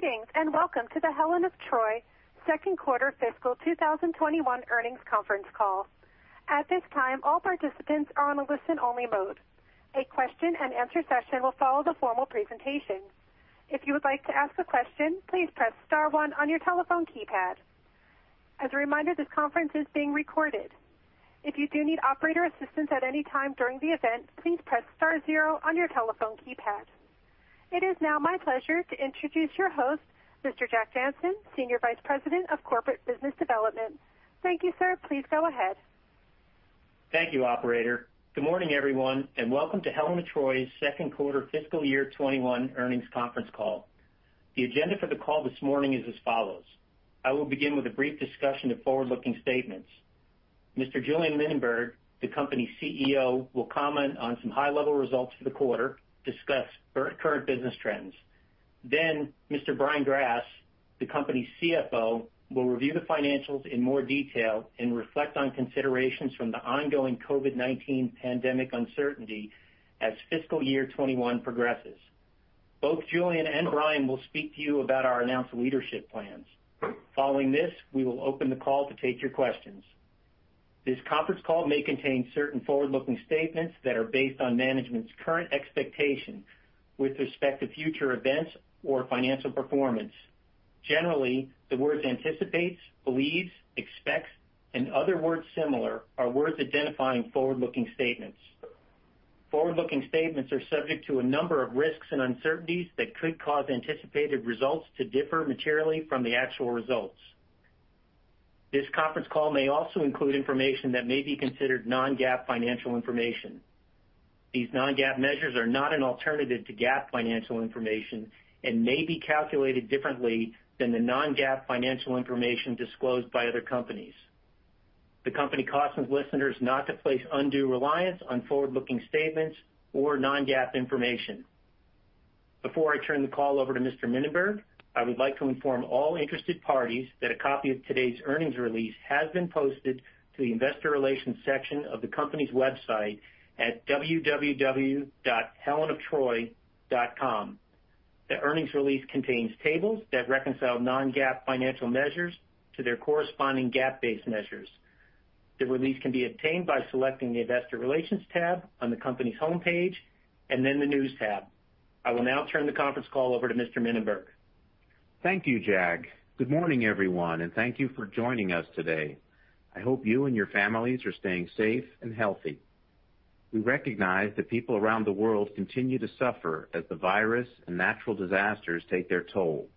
Greetings, welcome to the Helen of Troy second quarter fiscal 2021 earnings conference call. At this time, all participants are on a listen-only mode. A question and answer session will follow the formal presentation. If you would like to ask a question, please press star one on your telephone keypad. As a reminder, this conference is being recorded. If you do need operator assistance at any time during the event, please press star zero on your telephone keypad. It is now my pleasure to introduce your host, Mr. Jack Jancin, Senior Vice President of Corporate Business Development. Thank you, sir. Please go ahead. Thank you, operator. Good morning, everyone, and welcome to Helen of Troy's second quarter fiscal year 2021 earnings conference call. The agenda for the call this morning is as follows. I will begin with a brief discussion of forward-looking statements. Mr. Julien Mininberg, the company's Chief Executive Officer, will comment on some high-level results for the quarter, discuss current business trends. Mr. Brian Grass, the company's Chief Financial Officer, will review the financials in more detail and reflect on considerations from the ongoing COVID-19 pandemic uncertainty as fiscal year 2021 progresses. Both Julien and Brian will speak to you about our announced leadership plans. Following this, we will open the call to take your questions. This conference call may contain certain forward-looking statements that are based on management's current expectation with respect to future events or financial performance. Generally, the words "anticipates," "believes," "expects," and other words similar are words identifying forward-looking statements. Forward-looking statements are subject to a number of risks and uncertainties that could cause anticipated results to differ materially from the actual results. This conference call may also include information that may be considered non-GAAP financial information. These non-GAAP measures are not an alternative to GAAP financial information and may be calculated differently than the non-GAAP financial information disclosed by other companies. The company cautions listeners not to place undue reliance on forward-looking statements or non-GAAP information. Before I turn the call over to Mr. Mininberg, I would like to inform all interested parties that a copy of today's earnings release has been posted to the investor relations section of the company's website at www.helenoftroy.com. The earnings release contains tables that reconcile non-GAAP financial measures to their corresponding GAAP-based measures. The release can be obtained by selecting the investor relations tab on the company's homepage and then the news tab. I will now turn the conference call over to Mr. Mininberg. Thank you, Jack. Good morning, everyone, and thank you for joining us today. I hope you and your families are staying safe and healthy. We recognize that people around the world continue to suffer as the virus and natural disasters take their toll.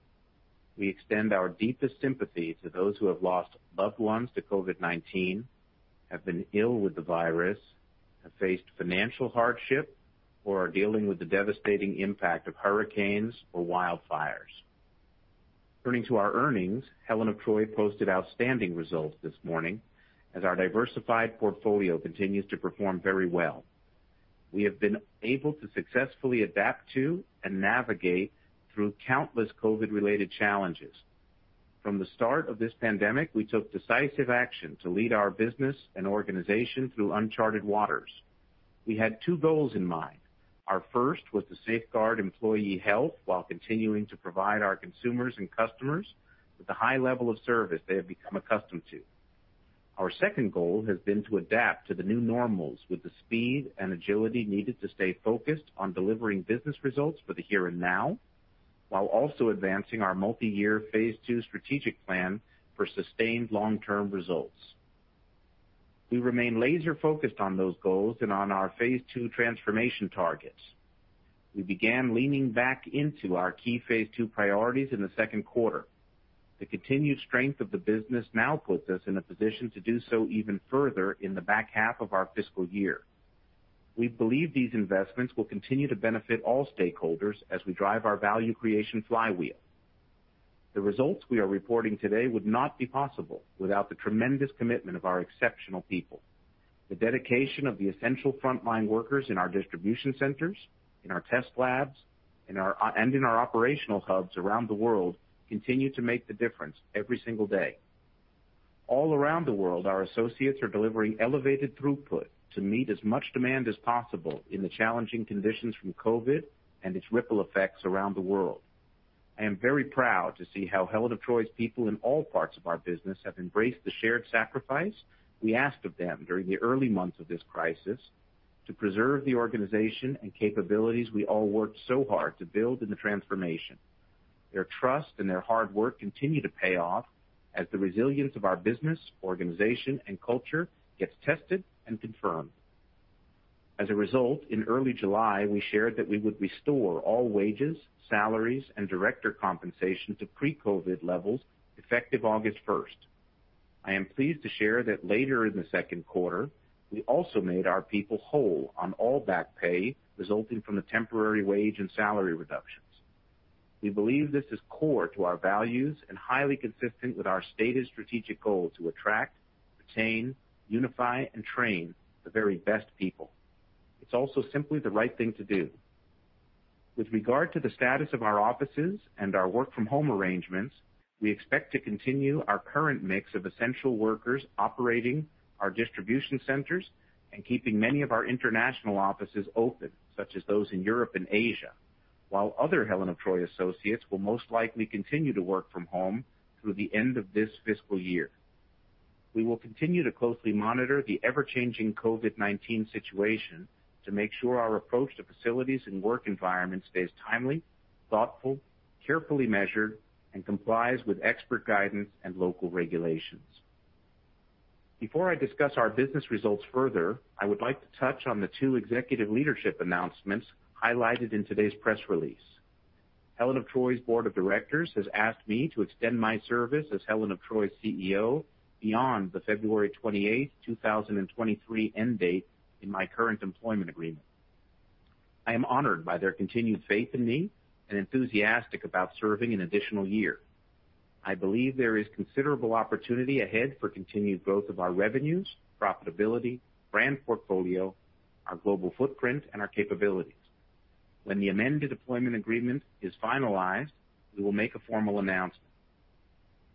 We extend our deepest sympathy to those who have lost loved ones to COVID-19, have been ill with the virus, have faced financial hardship, or are dealing with the devastating impact of hurricanes or wildfires. Turning to our earnings, Helen of Troy posted outstanding results this morning as our diversified portfolio continues to perform very well. We have been able to successfully adapt to and navigate through countless COVID-related challenges. From the start of this pandemic, we took decisive action to lead our business and organization through uncharted waters. We had two goals in mind. Our first was to safeguard employee health while continuing to provide our consumers and customers with the high level of service they have become accustomed to. Our second goal has been to adapt to the new normals with the speed and agility needed to stay focused on delivering business results for the here and now, while also advancing our multi-year phase II strategic plan for sustained long-term results. We remain laser-focused on those goals and on our phase II transformation targets. We began leaning back into our key phase II priorities in the second quarter. The continued strength of the business now puts us in a position to do so even further in the back half of our fiscal year. We believe these investments will continue to benefit all stakeholders as we drive our value creation flywheel. The results we are reporting today would not be possible without the tremendous commitment of our exceptional people. The dedication of the essential frontline workers in our distribution centers, in our test labs, and in our operational hubs around the world continue to make the difference every single day. All around the world, our associates are delivering elevated throughput to meet as much demand as possible in the challenging conditions from COVID and its ripple effects around the world. I am very proud to see how Helen of Troy's people in all parts of our business have embraced the shared sacrifice we asked of them during the early months of this crisis to preserve the organization and capabilities we all worked so hard to build in the transformation. Their trust and their hard work continue to pay off as the resilience of our business, organization, and culture gets tested and confirmed. As a result, in early July, we shared that we would restore all wages, salaries, and director compensation to pre-COVID-19 levels effective August first. I am pleased to share that later in the second quarter, we also made our people whole on all back pay resulting from the temporary wage and salary reductions. We believe this is core to our values and highly consistent with our stated strategic goal to attract, retain, unify, and train the very best people. It's also simply the right thing to do. With regard to the status of our offices and our work from home arrangements, we expect to continue our current mix of essential workers operating our distribution centers and keeping many of our international offices open, such as those in Europe and Asia, while other Helen of Troy associates will most likely continue to work from home through the end of this fiscal year. We will continue to closely monitor the ever-changing COVID-19 situation to make sure our approach to facilities and work environments stays timely, thoughtful, carefully measured, and complies with expert guidance and local regulations. Before I discuss our business results further, I would like to touch on the two executive leadership announcements highlighted in today's press release. Helen of Troy's Board of Directors has asked me to extend my service as Helen of Troy's Chief Executive Officer beyond the February 28th, 2023, end date in my current employment agreement. I am honored by their continued faith in me and enthusiastic about serving an additional year. I believe there is considerable opportunity ahead for continued growth of our revenues, profitability, brand portfolio, our global footprint, and our capabilities. When the amended employment agreement is finalized, we will make a formal announcement.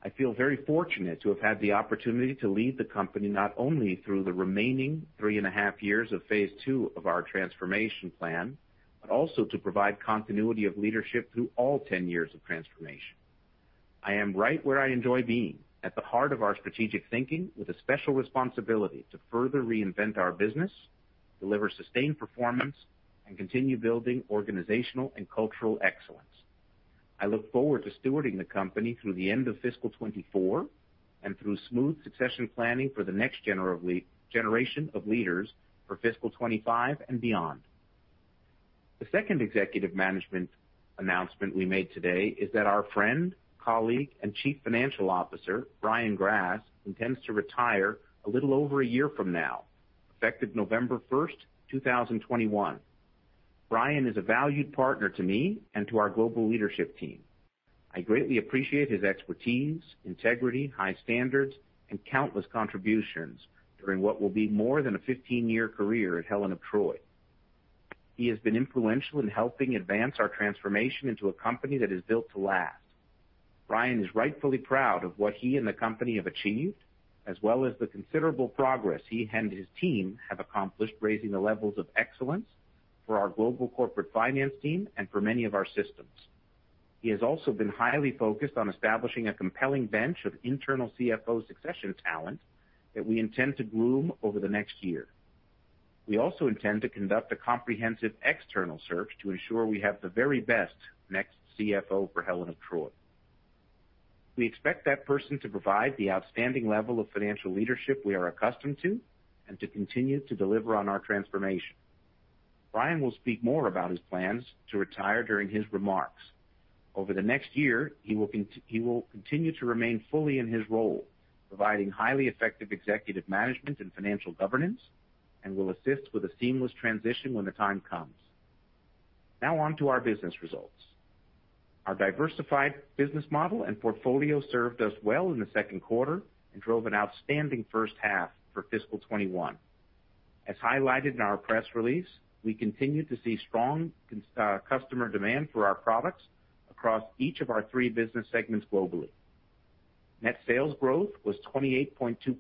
I feel very fortunate to have had the opportunity to lead the company not only through the remaining three and a half years of phase II of our transformation plan, but also to provide continuity of leadership through all 10 years of transformation. I am right where I enjoy being, at the heart of our strategic thinking with a special responsibility to further reinvent our business, deliver sustained performance, and continue building organizational and cultural excellence. I look forward to stewarding the company through the end of fiscal 2024 and through smooth succession planning for the next generation of leaders for fiscal 2025 and beyond. The second executive management announcement we made today is that our friend, colleague, and Chief Financial Officer, Brian Grass, intends to retire a little over a year from now, effective November 1st, 2021. Brian is a valued partner to me and to our global leadership team. I greatly appreciate his expertise, integrity, high standards, and countless contributions during what will be more than a 15-year career at Helen of Troy. He has been influential in helping advance our transformation into a company that is built to last. Brian is rightfully proud of what he and the company have achieved, as well as the considerable progress he and his team have accomplished, raising the levels of excellence for our global corporate finance team and for many of our systems. He has also been highly focused on establishing a compelling bench of internal Chief Financial Officer succession talent that we intend to groom over the next year. We also intend to conduct a comprehensive external search to ensure we have the very best next Chief Financial Officer for Helen of Troy. We expect that person to provide the outstanding level of financial leadership we are accustomed to and to continue to deliver on our transformation. Brian will speak more about his plans to retire during his remarks. Over the next year, he will continue to remain fully in his role, providing highly effective executive management and financial governance and will assist with a seamless transition when the time comes. On to our business results. Our diversified business model and portfolio served us well in the second quarter and drove an outstanding first half for fiscal 2021. As highlighted in our press release, we continued to see strong customer demand for our products across each of our three business segments globally. Net sales growth was 28.2%.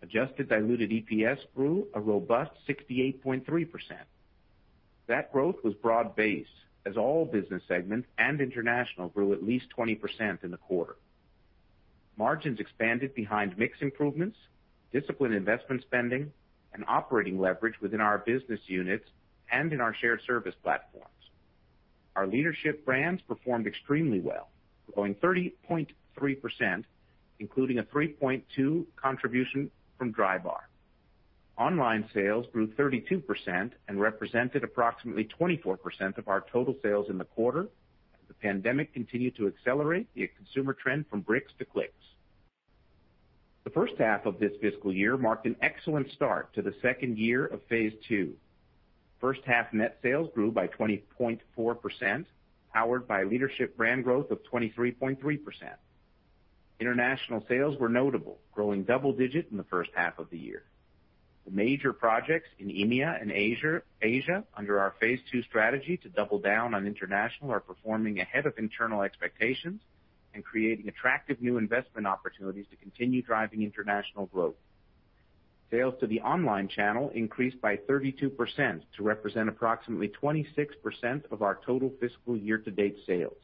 Adjusted diluted EPS grew a robust 68.3%. That growth was broad-based, as all business segments and international grew at least 20% in the quarter. Margins expanded behind mix improvements, disciplined investment spending, and operating leverage within our business units and in our shared service platforms. Our leadership brands performed extremely well, growing 30.3%, including a 3.2 contribution from Drybar. Online sales grew 32% and represented approximately 24% of our total sales in the quarter as the pandemic continued to accelerate the consumer trend from bricks to clicks. The first half of this fiscal year marked an excellent start to the second year of phase II. First-half net sales grew by 20.4%, powered by leadership brand growth of 23.3%. International sales were notable, growing double digits in the first half of the year. The major projects in EMEA and Asia under our phase II strategy to double down on international are performing ahead of internal expectations and creating attractive new investment opportunities to continue driving international growth. Sales to the online channel increased by 32% to represent approximately 26% of our total fiscal year-to-date sales.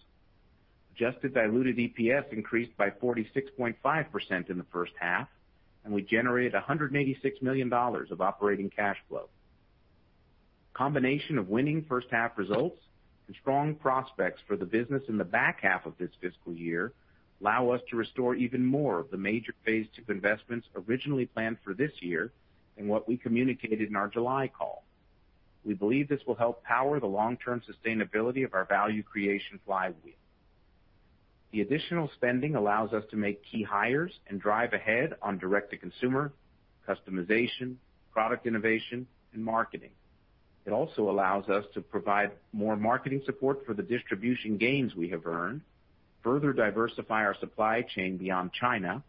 Adjusted diluted EPS increased by 46.5% in the first half, and we generated $186 million of operating cash flow. A combination of winning first-half results and strong prospects for the business in the back half of this fiscal year allow us to restore even more of the major phase II investments originally planned for this year and what we communicated in our July call. We believe this will help power the long-term sustainability of our value creation flywheel. The additional spending allows us to make key hires and drive ahead on direct-to-consumer, customization, product innovation, and marketing. It also allows us to provide more marketing support for the distribution gains we have earned, further diversify our supply chain beyond China,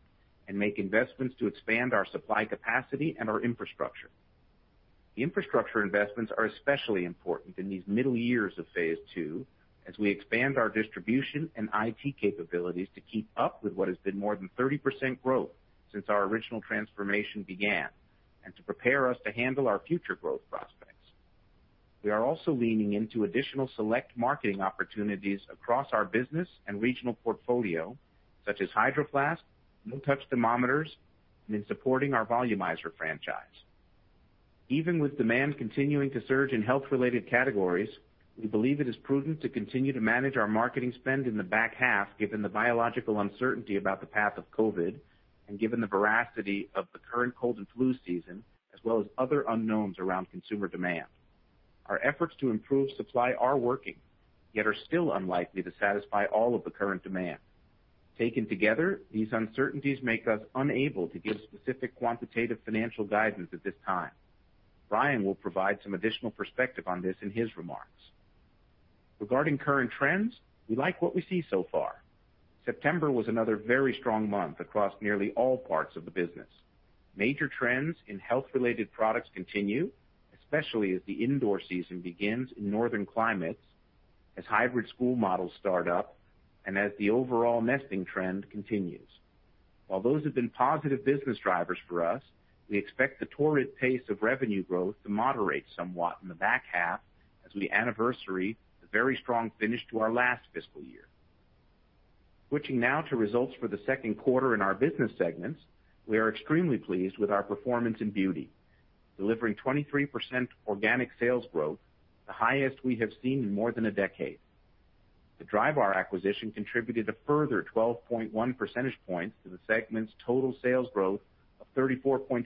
and make investments to expand our supply capacity and our infrastructure. The infrastructure investments are especially important in these middle years of phase II as we expand our distribution and IT capabilities to keep up with what has been more than 30% growth since our original transformation began and to prepare us to handle our future growth prospects. We are also leaning into additional select marketing opportunities across our business and regional portfolio, such as Hydro Flask, no-touch thermometers, and in supporting our volumizer franchise. Even with demand continuing to surge in health-related categories, we believe it is prudent to continue to manage our marketing spend in the back half, given the biological uncertainty about the path of COVID, and given the ferocity of the current cold and flu season, as well as other unknowns around consumer demand. Our efforts to improve supply are working, yet are still unlikely to satisfy all of the current demand. Taken together, these uncertainties make us unable to give specific quantitative financial guidance at this time. Brian will provide some additional perspective on this in his remarks. Regarding current trends, we like what we see so far. September was another very strong month across nearly all parts of the business. Major trends in health-related products continue, especially as the indoor season begins in northern climates, as hybrid school models start up, and as the overall nesting trend continues. While those have been positive business drivers for us, we expect the torrid pace of revenue growth to moderate somewhat in the back half as we anniversary the very strong finish to our last fiscal year. Switching now to results for the second quarter in our business segments, we are extremely pleased with our performance in beauty, delivering 23% organic sales growth, the highest we have seen in more than a decade. The Drybar acquisition contributed a further 12.1 percentage points to the segment's total sales growth of 34.6%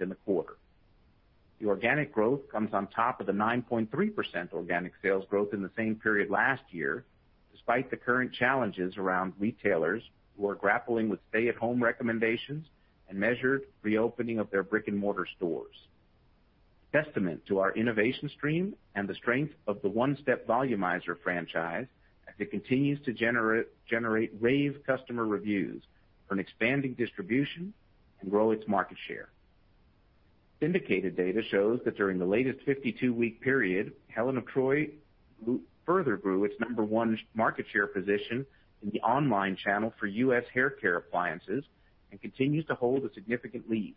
in the quarter. The organic growth comes on top of the 9.3% organic sales growth in the same period last year, despite the current challenges around retailers who are grappling with stay-at-home recommendations and measured reopening of their brick-and-mortar stores. Testament to our innovation stream and the strength of the One-Step Volumizer franchise, as it continues to generate rave customer reviews, earn expanding distribution, and grow its market share. Syndicated data shows that during the latest 52-week period, Helen of Troy further grew its number one market share position in the online channel for U.S. haircare appliances and continues to hold a significant lead.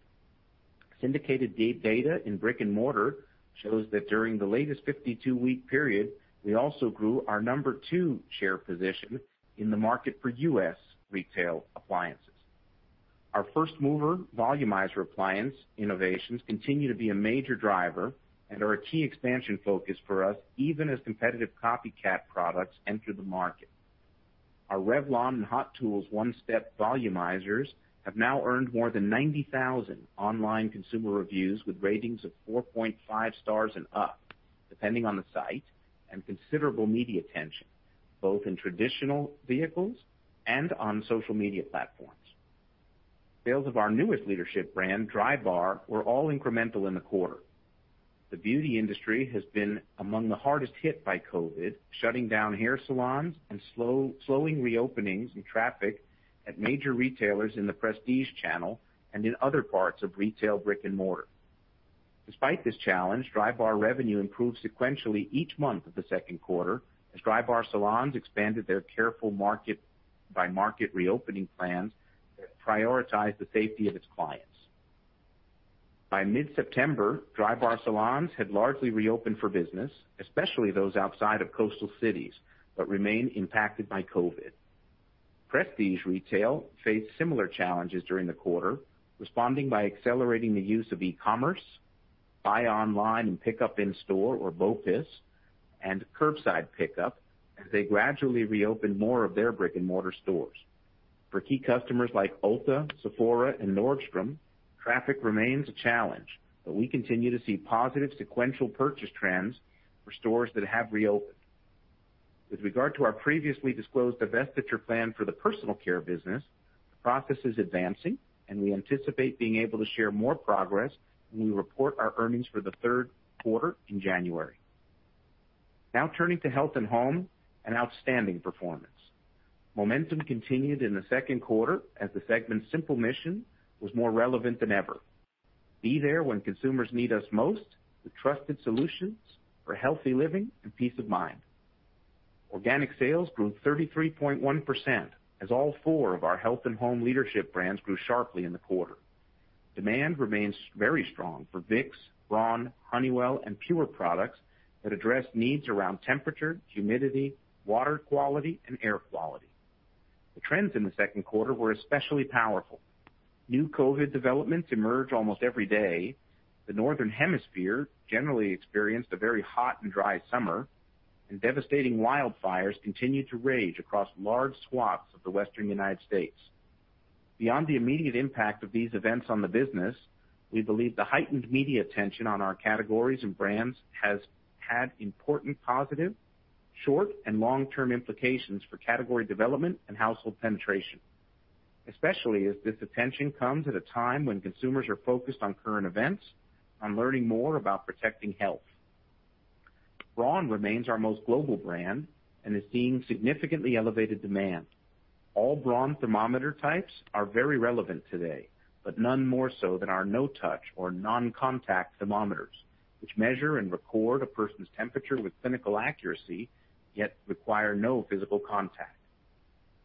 Syndicated data in brick-and-mortar shows that during the latest 52-week period, we also grew our number two share position in the market for U.S. retail appliances. Our first-mover volumizer appliance innovations continue to be a major driver and are a key expansion focus for us, even as competitive copycat products enter the market. Our Revlon and Hot Tools One-Step Volumizers have now earned more than 90,000 online consumer reviews with ratings of 4.5 stars and up, depending on the site, and considerable media attention, both in traditional vehicles and on social media platforms. Sales of our newest leadership brand, Drybar, were all incremental in the quarter. The beauty industry has been among the hardest hit by COVID, shutting down hair salons and slowing reopenings and traffic at major retailers in the prestige channel and in other parts of retail brick-and-mortar. Despite this challenge, Drybar revenue improved sequentially each month of the second quarter as Drybar salons expanded their careful market-by-market reopening plans that prioritize the safety of its clients. By mid-September, Drybar salons had largely reopened for business, especially those outside of coastal cities, but remain impacted by COVID. prestige retail faced similar challenges during the quarter, responding by accelerating the use of e-commerce, buy online and pickup in-store, or BOPUS, and curbside pickup as they gradually reopen more of their brick-and-mortar stores. For key customers like Ulta, Sephora, and Nordstrom, traffic remains a challenge, but we continue to see positive sequential purchase trends for stores that have reopened. With regard to our previously disclosed divestiture plan for the personal care business, the process is advancing, and we anticipate being able to share more progress when we report our earnings for the third quarter in January. Now turning to Health & Home, an outstanding performance. Momentum continued in the second quarter as the segment's simple mission was more relevant than ever: be there when consumers need us most with trusted solutions for healthy living and peace of mind. Organic sales grew 33.1% as all four of our Health & Home leadership brands grew sharply in the quarter. Demand remains very strong for Vicks, Braun, Honeywell, and PUR products that address needs around temperature, humidity, water quality, and air quality. The trends in the second quarter were especially powerful. New COVID developments emerge almost every day. The northern hemisphere generally experienced a very hot and dry summer, and devastating wildfires continue to rage across large swaths of the western U.S. Beyond the immediate impact of these events on the business, we believe the heightened media attention on our categories and brands has had important positive, short and long-term implications for category development and household penetration, especially as this attention comes at a time when consumers are focused on current events, on learning more about protecting health. Braun remains our most global brand and is seeing significantly elevated demand. All Braun thermometer types are very relevant today, but none more so than our no-touch or non-contact thermometers, which measure and record a person's temperature with clinical accuracy, yet require no physical contact.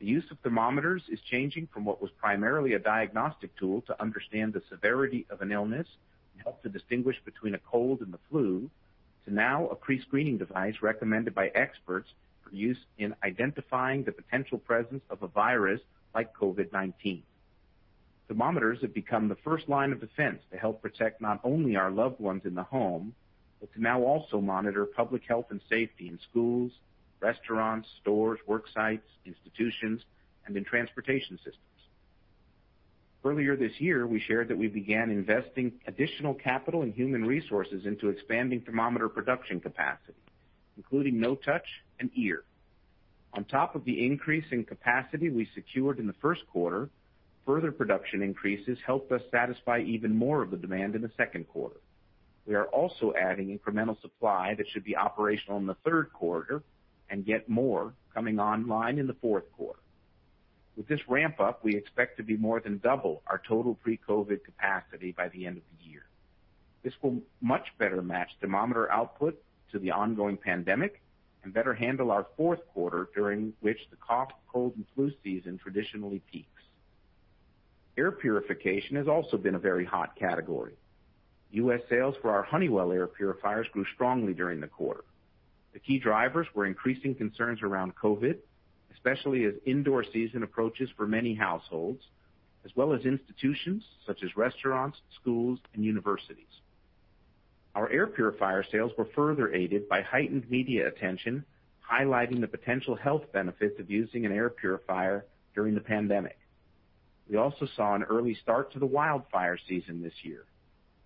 The use of thermometers is changing from what was primarily a diagnostic tool to understand the severity of an illness and help to distinguish between a cold and the flu, to now a pre-screening device recommended by experts for use in identifying the potential presence of a virus like COVID-19. Thermometers have become the first line of defense to help protect not only our loved ones in the home, but to now also monitor public health and safety in schools, restaurants, stores, work sites, institutions, and in transportation systems. Earlier this year, we shared that we began investing additional capital and human resources into expanding thermometer production capacity, including no touch and ear. On top of the increase in capacity we secured in the first quarter, further production increases helped us satisfy even more of the demand in the second quarter. We are also adding incremental supply that should be operational in the third quarter and yet more coming online in the fourth quarter. With this ramp up, we expect to be more than double our total pre-COVID capacity by the end of the year. This will much better match thermometer output to the ongoing pandemic and better handle our fourth quarter, during which the cough, cold, and flu season traditionally peaks. Air purification has also been a very hot category. U.S. sales for our Honeywell air purifiers grew strongly during the quarter. The key drivers were increasing concerns around COVID, especially as indoor season approaches for many households, as well as institutions such as restaurants, schools, and universities. Our air purifier sales were further aided by heightened media attention, highlighting the potential health benefits of using an air purifier during the pandemic. We also saw an early start to the wildfire season this year.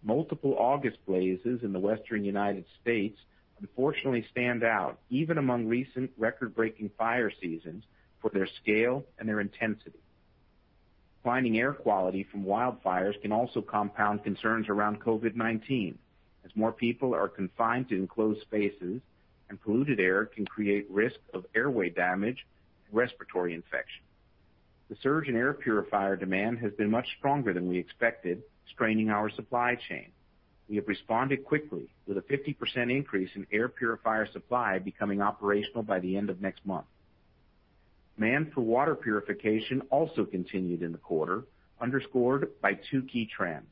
Multiple August blazes in the western United States unfortunately stand out, even among recent record-breaking fire seasons, for their scale and their intensity. Declining air quality from wildfires can also compound concerns around COVID-19, as more people are confined to enclosed spaces and polluted air can create risk of airway damage and respiratory infection. The surge in air purifier demand has been much stronger than we expected, straining our supply chain. We have responded quickly with a 50% increase in air purifier supply becoming operational by the end of next month. Demand for water purification also continued in the quarter, underscored by two key trends.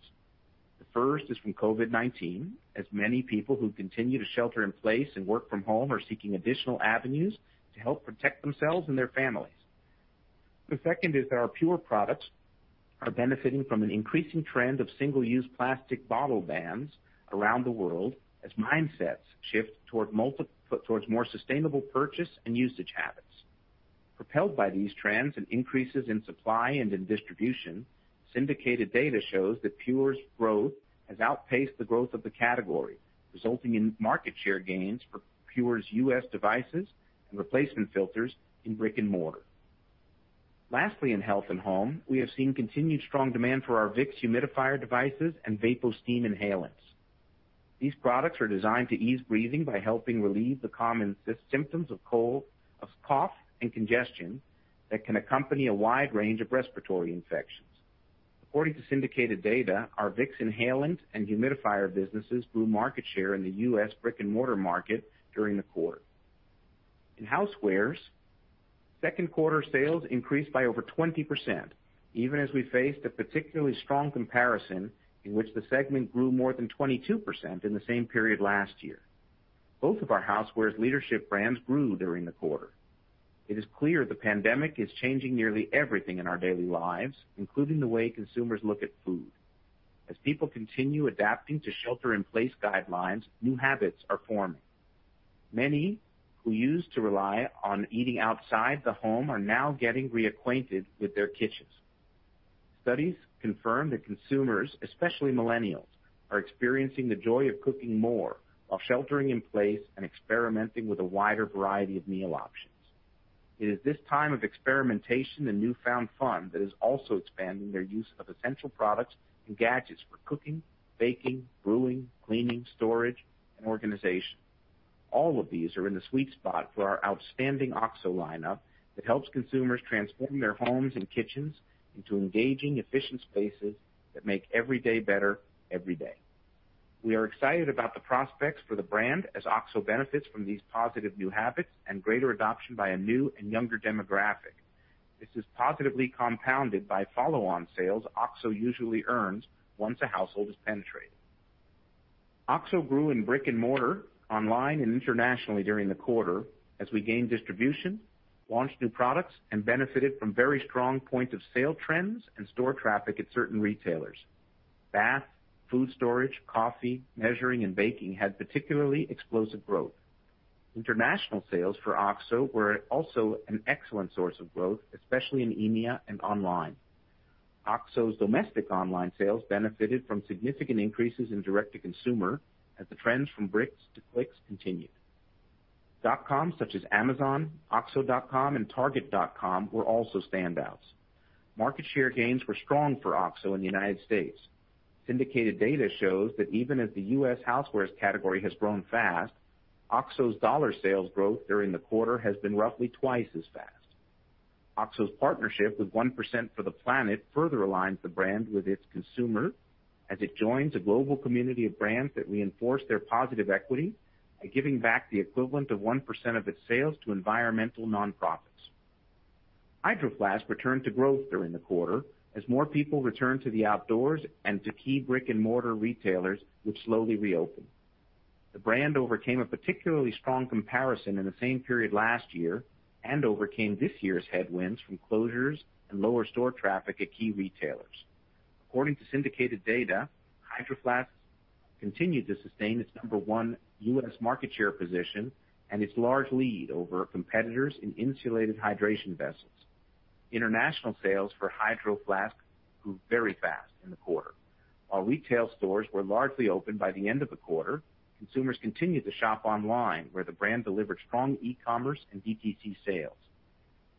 The first is from COVID-19, as many people who continue to shelter in place and work from home are seeking additional avenues to help protect themselves and their families. The second is that our PUR products are benefiting from an increasing trend of single-use plastic bottle bans around the world as mindsets shift towards more sustainable purchase and usage habits. Propelled by these trends and increases in supply and in distribution, syndicated data shows that PUR's growth has outpaced the growth of the category, resulting in market share gains for PUR's U.S. devices and replacement filters in brick and mortar. Lastly, in Health & Home, we have seen continued strong demand for our Vicks humidifier devices and VapoSteam inhalants. These products are designed to ease breathing by helping relieve the common symptoms of cough and congestion that can accompany a wide range of respiratory infections. According to syndicated data, our Vicks inhalant and humidifier businesses grew market share in the U.S. brick-and-mortar market during the quarter. In housewares, second quarter sales increased by over 20%, even as we faced a particularly strong comparison in which the segment grew more than 22% in the same period last year. Both of our housewares leadership brands grew during the quarter. It is clear the pandemic is changing nearly everything in our daily lives, including the way consumers look at food. As people continue adapting to shelter-in-place guidelines, new habits are forming. Many who used to rely on eating outside the home are now getting reacquainted with their kitchens. Studies confirm that consumers, especially millennials, are experiencing the joy of cooking more while sheltering in place and experimenting with a wider variety of meal options. It is this time of experimentation and newfound fun that is also expanding their use of essential products and gadgets for cooking, baking, brewing, cleaning, storage, and organization. All of these are in the sweet spot for our outstanding OXO lineup that helps consumers transform their homes and kitchens into engaging, efficient spaces that make every day better, every day. We are excited about the prospects for the brand as OXO benefits from these positive new habits and greater adoption by a new and younger demographic. This is positively compounded by follow-on sales OXO usually earns once a household is penetrated. OXO grew in brick and mortar, online, and internationally during the quarter as we gained distribution, launched new products, and benefited from very strong point-of-sale trends and store traffic at certain retailers. Bath, food storage, coffee, measuring, and baking had particularly explosive growth. International sales for OXO were also an excellent source of growth, especially in EMEA and online. OXO's domestic online sales benefited from significant increases in direct-to-consumer as the trends from bricks to clicks continued. Dotcoms such as Amazon, oxo.com, and target.com were also standouts. Market share gains were strong for OXO in the United States. Syndicated data shows that even as the U.S. housewares category has grown fast, OXO's dollar sales growth during the quarter has been roughly twice as fast. OXO's partnership with 1% for the Planet further aligns the brand with its consumers as it joins a global community of brands that reinforce their positive equity by giving back the equivalent of 1% of its sales to environmental nonprofits. Hydro Flask returned to growth during the quarter as more people returned to the outdoors and to key brick-and-mortar retailers, which slowly reopened. The brand overcame a particularly strong comparison in the same period last year, and overcame this year's headwinds from closures and lower store traffic at key retailers. According to syndicated data, Hydro Flask continued to sustain its number one U.S. market share position and its large lead over competitors in insulated hydration vessels. International sales for Hydro Flask grew very fast in the quarter. While retail stores were largely open by the end of the quarter, consumers continued to shop online, where the brand delivered strong e-commerce and DTC sales.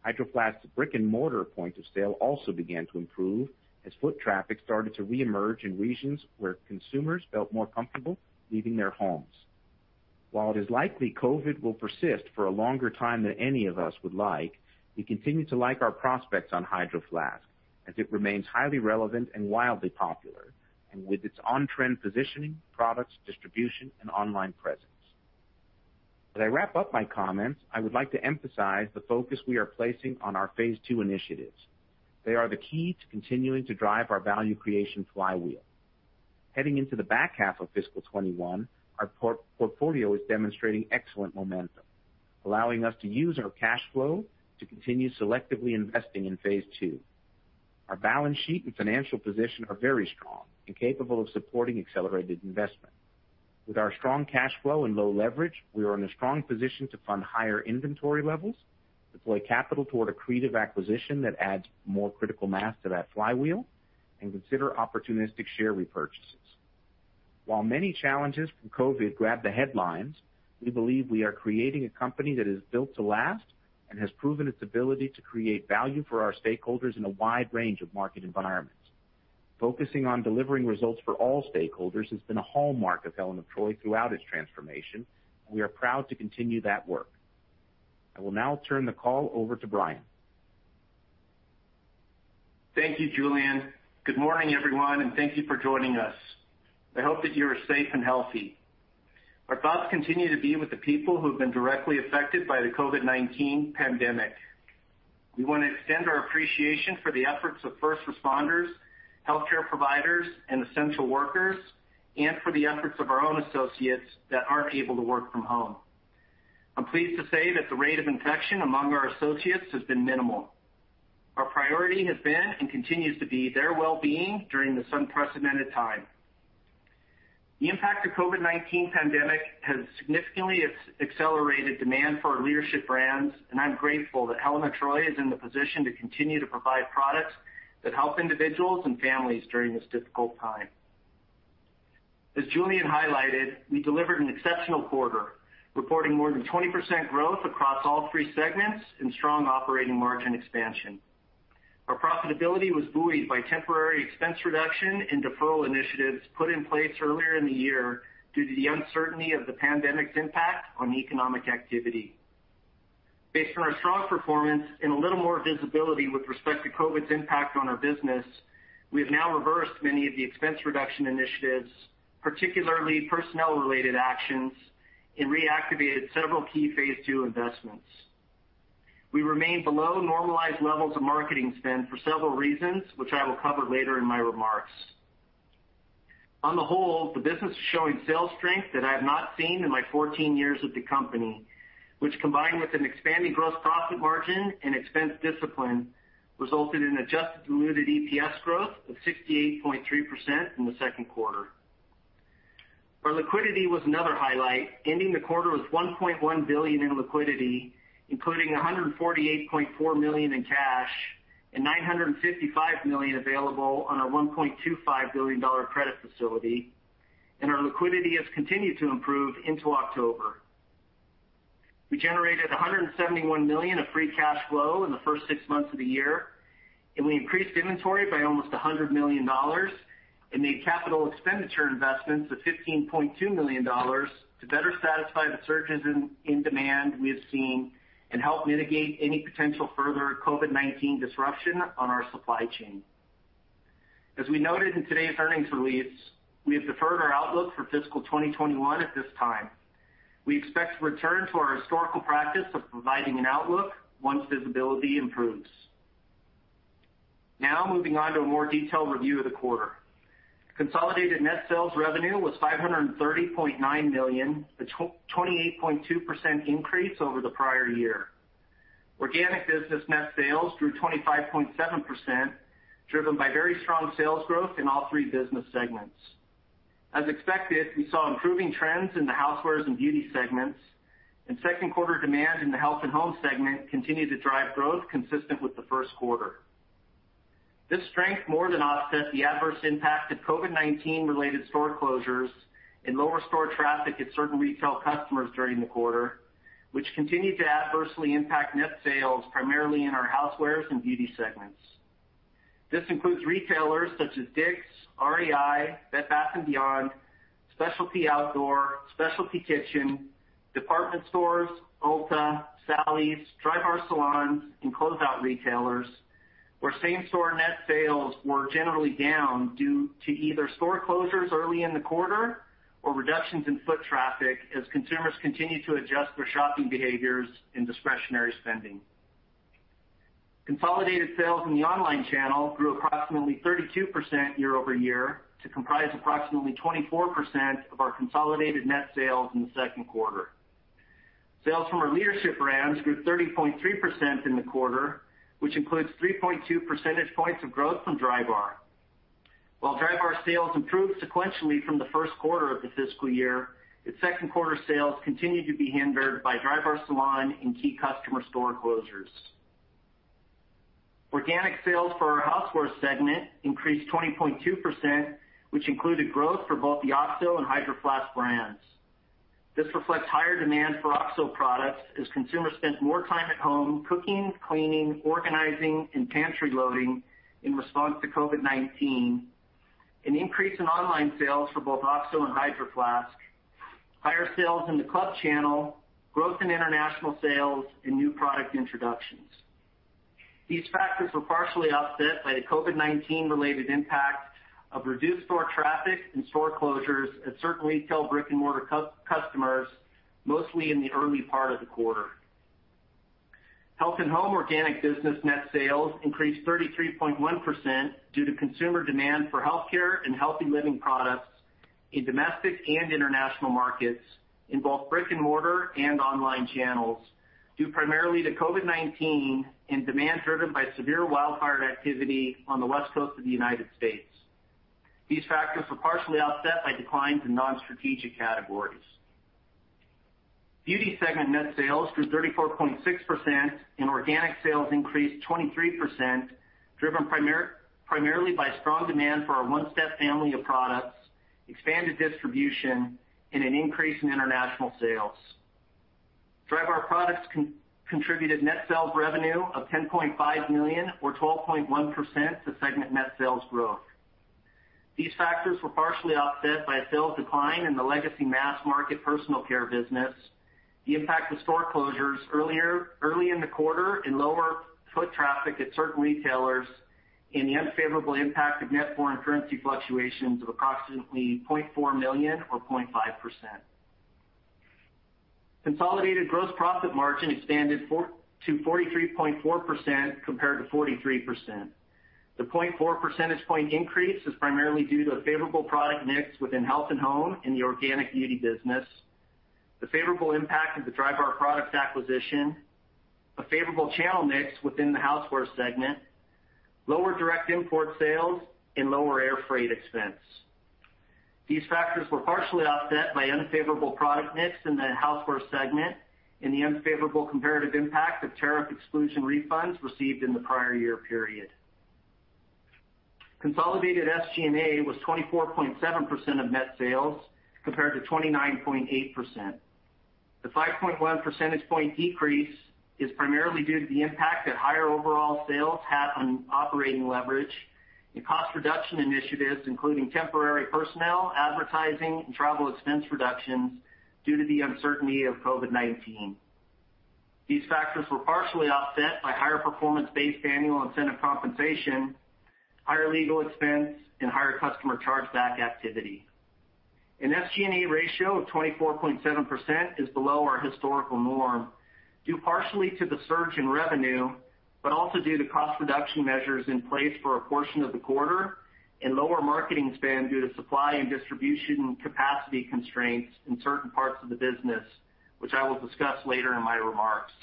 Hydro Flask's brick-and-mortar point of sale also began to improve as foot traffic started to re-emerge in regions where consumers felt more comfortable leaving their homes. While it is likely COVID will persist for a longer time than any of us would like, we continue to like our prospects on Hydro Flask, as it remains highly relevant and wildly popular, and with its on-trend positioning, products, distribution, and online presence. As I wrap up my comments, I would like to emphasize the focus we are placing on our phase II initiatives. They are the key to continuing to drive our value creation flywheel. Heading into the back half of fiscal 2021, our portfolio is demonstrating excellent momentum, allowing us to use our cash flow to continue selectively investing in phase II. Our balance sheet and financial position are very strong and capable of supporting accelerated investment. With our strong cash flow and low leverage, we are in a strong position to fund higher inventory levels, deploy capital toward accretive acquisition that adds more critical mass to that flywheel, and consider opportunistic share repurchases. While many challenges from COVID-19 grab the headlines, we believe we are creating a company that is built to last and has proven its ability to create value for our stakeholders in a wide range of market environments. Focusing on delivering results for all stakeholders has been a hallmark of Helen of Troy throughout its transformation, and we are proud to continue that work. I will now turn the call over to Brian. Thank you, Julien. Good morning, everyone, and thank you for joining us. I hope that you are safe and healthy. Our thoughts continue to be with the people who have been directly affected by the COVID-19 pandemic. We want to extend our appreciation for the efforts of first responders, healthcare providers, and essential workers, and for the efforts of our own associates that aren't able to work from home. I'm pleased to say that the rate of infection among our associates has been minimal. Our priority has been, and continues to be, their well-being during this unprecedented time. The impact of COVID-19 pandemic has significantly accelerated demand for our leadership brands, and I'm grateful that Helen of Troy is in the position to continue to provide products that help individuals and families during this difficult time. As Julien highlighted, we delivered an exceptional quarter, reporting more than 20% growth across all three segments and strong operating margin expansion. Our profitability was buoyed by temporary expense reduction and deferral initiatives put in place earlier in the year due to the uncertainty of the pandemic's impact on economic activity. Based on our strong performance and a little more visibility with respect to COVID-19's impact on our business, we have now reversed many of the expense reduction initiatives, particularly personnel-related actions, and reactivated several key phase II investments. We remain below normalized levels of marketing spend for several reasons, which I will cover later in my remarks. On the whole, the business is showing sales strength that I have not seen in my 14 years with the company, which, combined with an expanding gross profit margin and expense discipline, resulted in adjusted diluted EPS growth of 68.3% in the second quarter. Our liquidity was another highlight, ending the quarter with $1.1 billion in liquidity, including $148.4 million in cash and $955 million available on our $1.25 billion credit facility, and our liquidity has continued to improve into October. We generated $171 million of free cash flow in the first six months of the year, and we increased inventory by almost $100 million and made capital expenditure investments of $15.2 million to better satisfy the surges in demand we have seen and help mitigate any potential further COVID-19 disruption on our supply chain. As we noted in today's earnings release, we have deferred our outlook for fiscal 2021 at this time. We expect to return to our historical practice of providing an outlook once visibility improves. Now, moving on to a more detailed review of the quarter. Consolidated net sales revenue was $530.9 million, a 28.2% increase over the prior year. Organic business net sales grew 25.7%, driven by very strong sales growth in all three business segments. As expected, we saw improving trends in the housewares and beauty segments, and second quarter demand in the Health & Home segment continued to drive growth consistent with the first quarter. This strength more than offset the adverse impact of COVID-19 related store closures and lower store traffic at certain retail customers during the quarter, which continued to adversely impact net sales primarily in our housewares and beauty segments. This includes retailers such as Dick's, REI, Bed Bath & Beyond, Specialty Outdoor, Specialty Kitchen, Department stores, Ulta, Sally's, Drybar salons, and closeout retailers, where same-store net sales were generally down due to either store closures early in the quarter or reductions in foot traffic as consumers continued to adjust their shopping behaviors and discretionary spending. Consolidated sales in the online channel grew approximately 32% YoY to comprise approximately 24% of our consolidated net sales in the second quarter. Sales from our leadership brands grew 30.3% in the quarter, which includes 3.2 percentage points of growth from Drybar. While Drybar sales improved sequentially from the first quarter of the fiscal year, its second quarter sales continued to be hindered by Drybar Salon and key customer store closures. Organic sales for our Housewares segment increased 20.2%, which included growth for both the OXO and Hydro Flask brands. This reflects higher demand for OXO products as consumers spent more time at home cooking, cleaning, organizing, and pantry loading in response to COVID-19, an increase in online sales for both OXO and Hydro Flask, higher sales in the club channel, growth in international sales, and new product introductions. These factors were partially offset by the COVID-19 related impact of reduced store traffic and store closures at certain retail brick-and-mortar customers, mostly in the early part of the quarter. Health & Home organic business net sales increased 33.1% due to consumer demand for healthcare and healthy living products in domestic and international markets in both brick-and-mortar and online channels, due primarily to COVID-19 and demand driven by severe wildfire activity on the West Coast of the United States. These factors were partially offset by declines in non-strategic categories. Beauty segment net sales grew 34.6%, and organic sales increased 23%, driven primarily by strong demand for our One-Step family of products, expanded distribution, and an increase in international sales. Drybar products contributed net sales revenue of $10.5 million or 12.1% to segment net sales growth. These factors were partially offset by a sales decline in the legacy mass-market personal care business, the impact of store closures early in the quarter and lower foot traffic at certain retailers, and the unfavorable impact of net foreign currency fluctuations of approximately $0.4 million or 0.5%. Consolidated gross profit margin expanded to 43.4% compared to 43%. The 0.4 percentage point increase is primarily due to a favorable product mix within Health & Home and the Organic Beauty business, the favorable impact of the Drybar Products acquisition, a favorable channel mix within the Housewares segment, lower direct import sales, and lower air freight expense. These factors were partially offset by unfavorable product mix in the Housewares segment and the unfavorable comparative impact of tariff exclusion refunds received in the prior year period. Consolidated SG&A was 24.7% of net sales, compared to 29.8%. The 5.1 percentage point decrease is primarily due to the impact that higher overall sales had on operating leverage and cost reduction initiatives, including temporary personnel, advertising, and travel expense reductions due to the uncertainty of COVID-19. These factors were partially offset by higher performance-based annual incentive compensation, higher legal expense, and higher customer charge-back activity. An SG&A ratio of 24.7% is below our historical norm, due partially to the surge in revenue, but also due to cost reduction measures in place for a portion of the quarter and lower marketing spend due to supply and distribution capacity constraints in certain parts of the business, which I will discuss later in my remarks.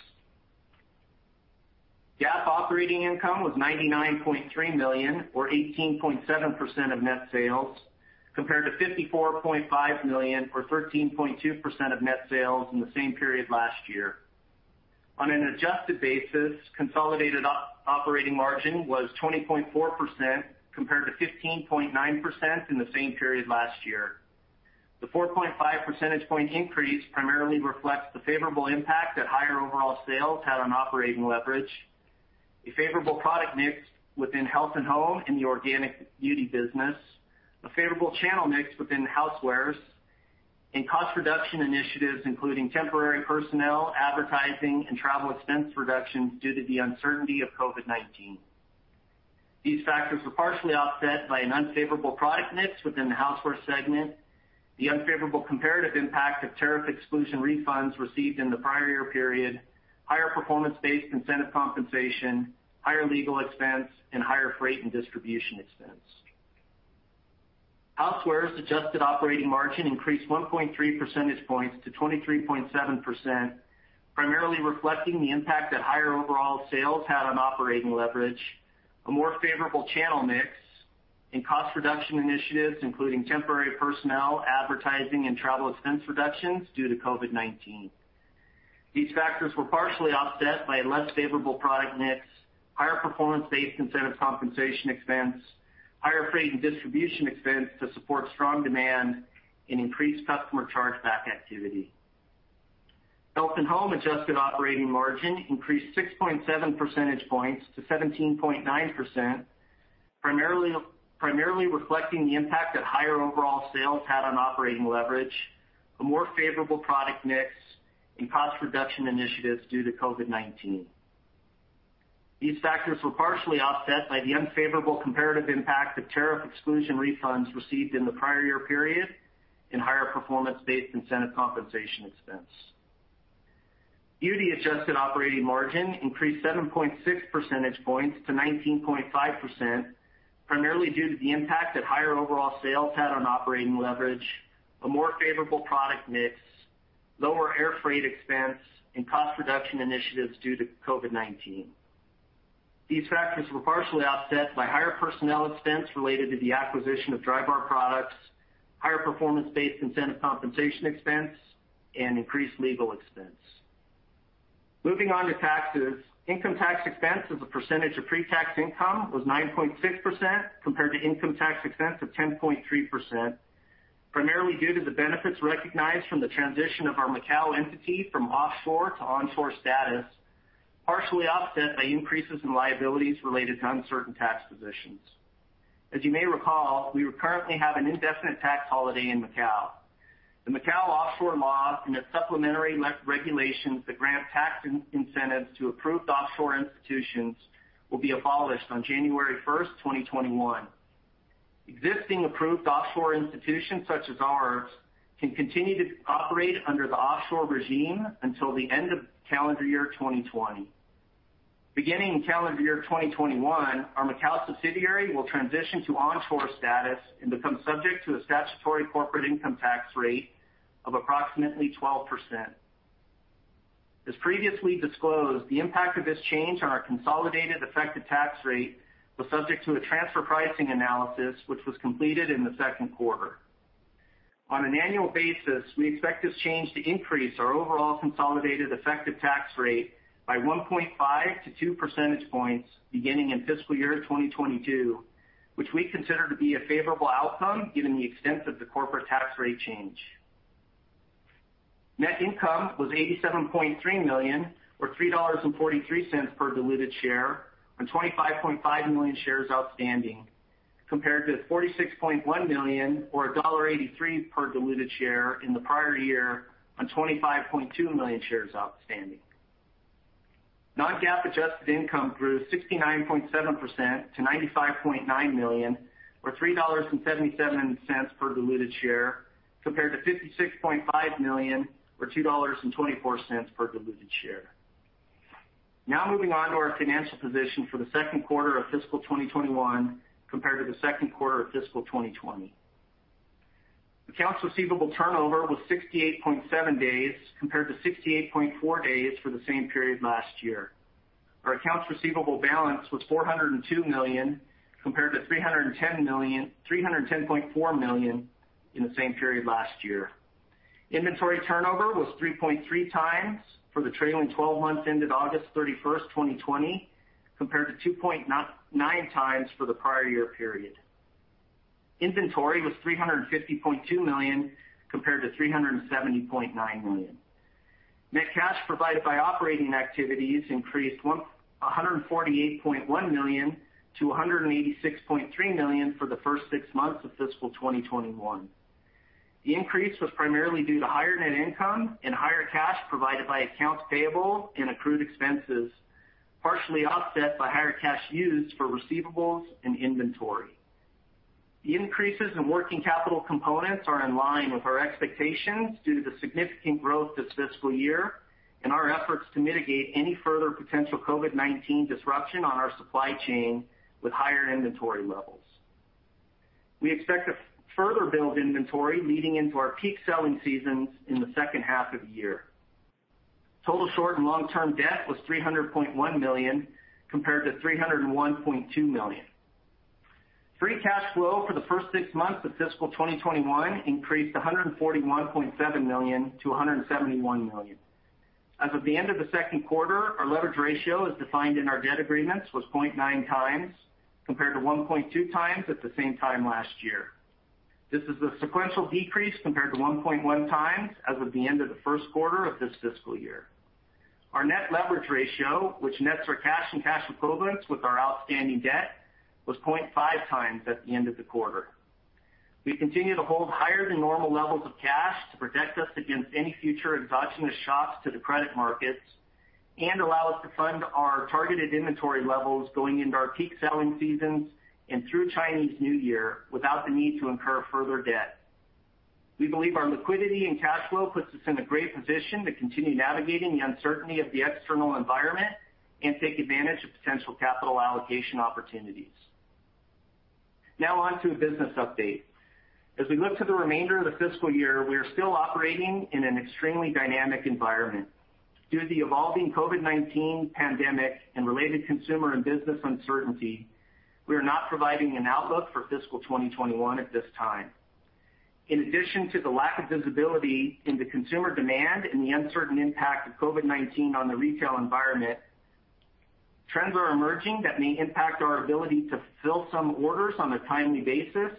GAAP operating income was $99.3 million, or 18.7% of net sales, compared to $54.5 million or 13.2% of net sales in the same period last year. On an adjusted basis, consolidated operating margin was 20.4% compared to 15.9% in the same period last year. The 4.5 percentage point increase primarily reflects the favorable impact that higher overall sales had on operating leverage, a favorable product mix within Health & Home and the Organic Beauty business, a favorable channel mix within Housewares, and cost reduction initiatives, including temporary personnel, advertising, and travel expense reductions due to the uncertainty of COVID-19. These factors were partially offset by an unfavorable product mix within the Housewares segment, the unfavorable comparative impact of tariff exclusion refunds received in the prior year period, higher performance-based incentive compensation, higher legal expense, and higher freight and distribution expense. Housewares adjusted operating margin increased 1.3 percentage points to 23.7%, primarily reflecting the impact that higher overall sales had on operating leverage, a more favorable channel mix, and cost reduction initiatives, including temporary personnel, advertising, and travel expense reductions due to COVID-19. These factors were partially offset by a less favorable product mix, higher performance-based incentive compensation expense, higher freight and distribution expense to support strong demand, and increased customer chargeback activity. Health & Home adjusted operating margin increased 6.7 percentage points to 17.9%. Primarily reflecting the impact that higher overall sales had on operating leverage, a more favorable product mix, and cost reduction initiatives due to COVID-19. These factors were partially offset by the unfavorable comparative impact of tariff exclusion refunds received in the prior year period and higher performance-based incentive compensation expense. Beauty adjusted operating margin increased 7.6 percentage points to 19.5%, primarily due to the impact that higher overall sales had on operating leverage, a more favorable product mix, lower airfreight expense, and cost reduction initiatives due to COVID-19. These factors were partially offset by higher personnel expense related to the acquisition of Drybar products, higher performance-based incentive compensation expense, and increased legal expense. Moving on to taxes. Income tax expense as a percentage of pre-tax income was 9.6%, compared to income tax expense of 10.3%, primarily due to the benefits recognized from the transition of our Macau entity from offshore to onshore status, partially offset by increases in liabilities related to uncertain tax positions. As you may recall, we currently have an indefinite tax holiday in Macau. The Macau offshore law and its supplementary regulations that grant tax incentives to approved offshore institutions will be abolished on January 1st, 2021. Existing approved offshore institutions such as ours can continue to operate under the offshore regime until the end of calendar year 2020. Beginning in calendar year 2021, our Macau subsidiary will transition to onshore status and become subject to the statutory corporate income tax rate of approximately 12%. As previously disclosed, the impact of this change on our consolidated effective tax rate was subject to a transfer pricing analysis, which was completed in the second quarter. On an annual basis, we expect this change to increase our overall consolidated effective tax rate by 1.5-2 percentage points beginning in fiscal year 2022, which we consider to be a favorable outcome given the extent of the corporate tax rate change. Net income was $87.3 million, or $3.43 per diluted share on 25.5 million shares outstanding, compared to $46.1 million, or $1.83 per diluted share in the prior year on 25.2 million shares outstanding. Non-GAAP adjusted income grew 69.7% to $95.9 million, or $3.77 per diluted share, compared to $56.5 million or $2.24 per diluted share. Moving on to our financial position for the second quarter of fiscal 2021 compared to the second quarter of fiscal 2020. Accounts receivable turnover was 68.7 days compared to 68.4 days for the same period last year. Our accounts receivable balance was $402 million, compared to $310.4 million in the same period last year. Inventory turnover was 3.3 times for the trailing 12 months ended August 31, 2020, compared to 2.9 times for the prior year period. Inventory was $350.2 million compared to $370.9 million. Net cash provided by operating activities increased $148.1 million-$186.3 million for the first six months of fiscal 2021. The increase was primarily due to higher net income and higher cash provided by accounts payable and accrued expenses, partially offset by higher cash used for receivables and inventory. The increases in working capital components are in line with our expectations due to the significant growth this fiscal year and our efforts to mitigate any further potential COVID-19 disruption on our supply chain with higher inventory levels. We expect to further build inventory leading into our peak selling seasons in the second half of the year. Total short and long-term debt was $300.1 million, compared to $301.2 million. Free cash flow for the first six months of fiscal 2021 increased $141.7 million-$171 million. As of the end of the second quarter, our leverage ratio, as defined in our debt agreements, was 0.9x, compared to 1.2x at the same time last year. This is a sequential decrease compared to 1.1x as of the end of the first quarter of this fiscal year. Our net leverage ratio, which nets our cash and cash equivalents with our outstanding debt, was 0.5x at the end of the quarter. We continue to hold higher than normal levels of cash to protect us against any future exogenous shocks to the credit markets and allow us to fund our targeted inventory levels going into our peak selling seasons and through Chinese New Year without the need to incur further debt. We believe our liquidity and cash flow puts us in a great position to continue navigating the uncertainty of the external environment and take advantage of potential capital allocation opportunities. Now on to a business update. As we look to the remainder of the fiscal year, we are still operating in an extremely dynamic environment. Due to the evolving COVID-19 pandemic and related consumer and business uncertainty, we are not providing an outlook for fiscal 2021 at this time. In addition to the lack of visibility into consumer demand and the uncertain impact of COVID-19 on the retail environment, trends are emerging that may impact our ability to fulfill some orders on a timely basis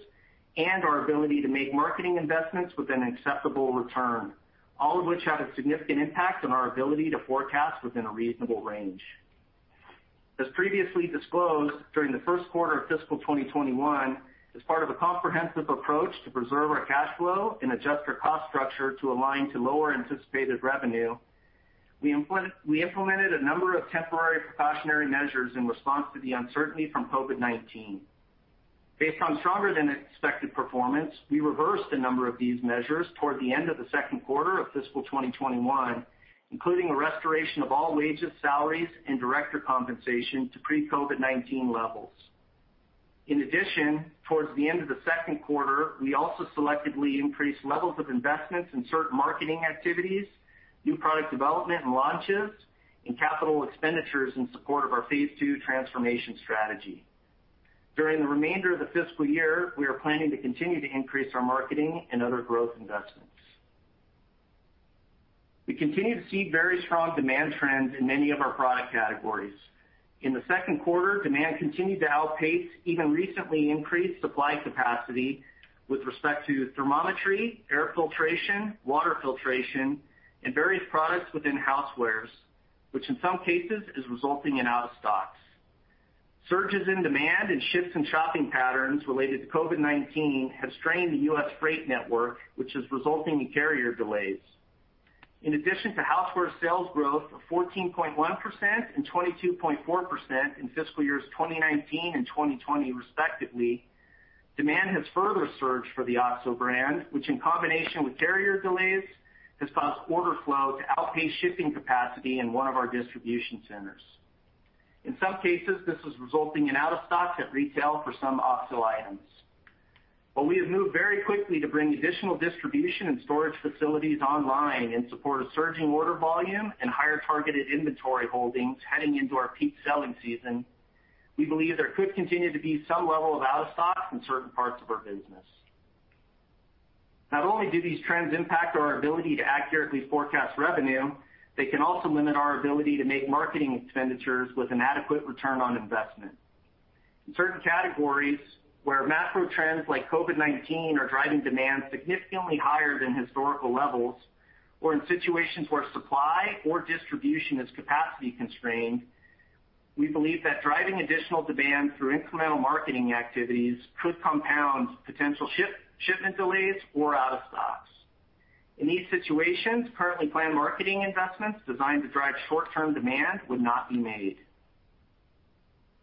and our ability to make marketing investments with an acceptable return. All of which have a significant impact on our ability to forecast within a reasonable range. As previously disclosed, during the first quarter of fiscal 2021, as part of a comprehensive approach to preserve our cash flow and adjust our cost structure to align to lower anticipated revenue, we implemented a number of temporary precautionary measures in response to the uncertainty from COVID-19. Based on stronger than expected performance, we reversed a number of these measures toward the end of the second quarter of fiscal 2021, including a restoration of all wages, salaries, and director compensation to pre-COVID-19 levels. In addition, towards the end of the second quarter, we also selectively increased levels of investments in certain marketing activities, new product development and launches, and capital expenditures in support of our phase II transformation strategy. During the remainder of the fiscal year, we are planning to continue to increase our marketing and other growth investments. We continue to see very strong demand trends in many of our product categories. In the second quarter, demand continued to outpace even recently increased supply capacity with respect to thermometry, air filtration, water filtration, and various products within housewares, which in some cases is resulting in out of stocks. Surges in demand and shifts in shopping patterns related to COVID-19 have strained the U.S. freight network, which is resulting in carrier delays. In addition to housewares sales growth of 14.1% and 22.4% in fiscal years 2019 and 2020 respectively, demand has further surged for the OXO brand, which in combination with carrier delays, has caused order flow to outpace shipping capacity in one of our distribution centers. In some cases, this is resulting in out of stocks at retail for some OXO items. While we have moved very quickly to bring additional distribution and storage facilities online in support of surging order volume and higher targeted inventory holdings heading into our peak selling season, we believe there could continue to be some level of out of stocks in certain parts of our business. Not only do these trends impact our ability to accurately forecast revenue, they can also limit our ability to make marketing expenditures with an adequate return on investment. In certain categories where macro trends like COVID-19 are driving demand significantly higher than historical levels, or in situations where supply or distribution is capacity constrained, we believe that driving additional demand through incremental marketing activities could compound potential shipment delays or out of stocks. In these situations, currently planned marketing investments designed to drive short-term demand would not be made.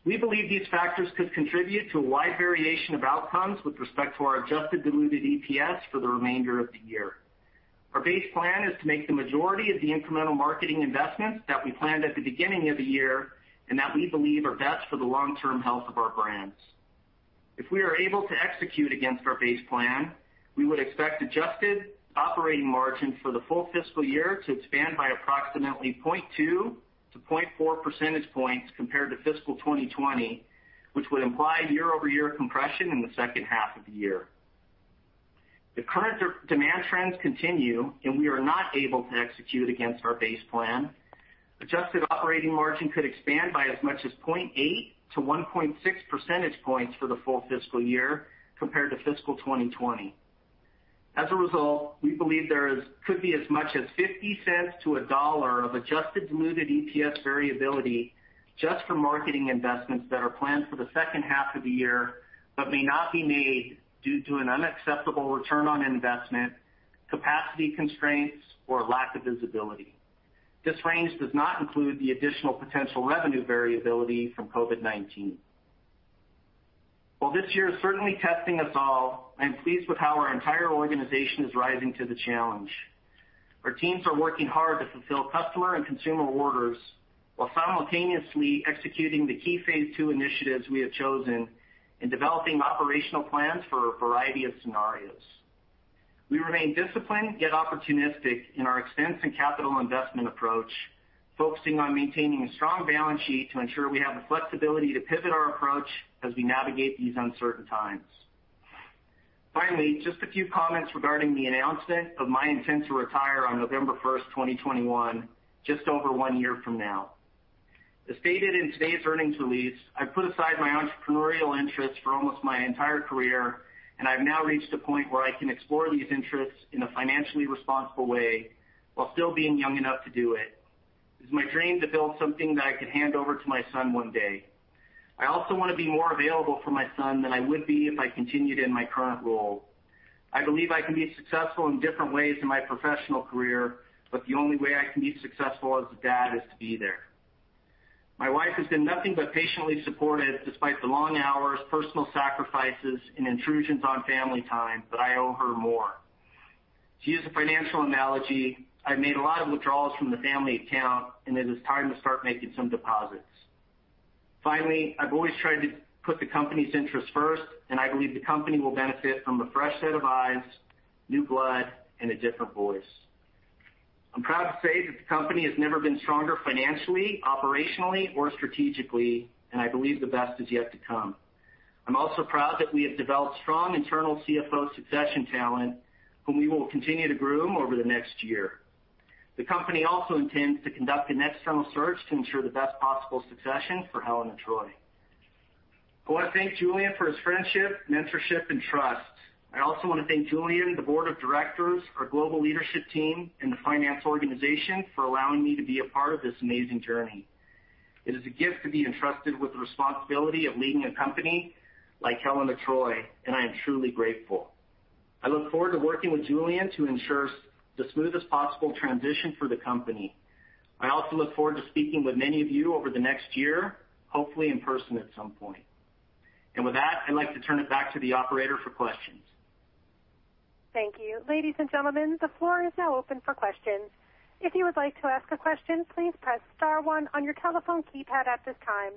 We believe these factors could contribute to a wide variation of outcomes with respect to our adjusted diluted EPS for the remainder of the year. Our base plan is to make the majority of the incremental marketing investments that we planned at the beginning of the year, and that we believe are best for the long-term health of our brands. If we are able to execute against our base plan, we would expect adjusted operating margin for the full fiscal year to expand by approximately 0.2-0.4 percentage points compared to fiscal 2020, which would imply YoY compression in the second half of the year. If the current demand trends continue, and we are not able to execute against our base plan, adjusted operating margin could expand by as much as 0.8-1.6 percentage points for the full fiscal year compared to fiscal 2020. As a result, we believe there could be as much as $0.50-$1 of adjusted diluted EPS variability just for marketing investments that are planned for the second half of the year, but may not be made due to an unacceptable ROI, capacity constraints, or lack of visibility. This range does not include the additional potential revenue variability from COVID-19. While this year is certainly testing us all, I am pleased with how our entire organization is rising to the challenge. Our teams are working hard to fulfill customer and consumer orders while simultaneously executing the key phase II initiatives we have chosen in developing operational plans for a variety of scenarios. We remain disciplined yet opportunistic in our expense and capital investment approach, focusing on maintaining a strong balance sheet to ensure we have the flexibility to pivot our approach as we navigate these uncertain times. Finally, just a few comments regarding the announcement of my intent to retire on November 1st, 2021, just over one year from now. As stated in today's earnings release, I put aside my entrepreneurial interests for almost my entire career, and I've now reached a point where I can explore these interests in a financially responsible way while still being young enough to do it. It's my dream to build something that I can hand over to my son one day. I also want to be more available for my son than I would be if I continued in my current role. I believe I can be successful in different ways in my professional career, but the only way I can be successful as a dad is to be there. My wife has been nothing but patiently supportive despite the long hours, personal sacrifices, and intrusions on family time, but I owe her more. To use a financial analogy, I've made a lot of withdrawals from the family account, and it is time to start making some deposits. Finally, I've always tried to put the company's interests first, and I believe the company will benefit from a fresh set of eyes, new blood, and a different voice. I'm proud to say that the company has never been stronger financially, operationally, or strategically, and I believe the best is yet to come. I'm also proud that we have developed strong internal Chief Financial Officer succession talent whom we will continue to groom over the next year. The company also intends to conduct an external search to ensure the best possible succession for Helen of Troy. I want to thank Julien for his friendship, mentorship, and trust. I also want to thank Julien, the board of directors, our global leadership team, and the finance organization for allowing me to be a part of this amazing journey. It is a gift to be entrusted with the responsibility of leading a company like Helen of Troy, and I am truly grateful. I look forward to working with Julien to ensure the smoothest possible transition for the company. I also look forward to speaking with many of you over the next year, hopefully in person at some point. With that, I'd like to turn it back to the operator for questions. Thank you. Ladies and gentlemen, the floor is now open for questions. If you would like to ask a question, please press star one on your telephone keypad at this time.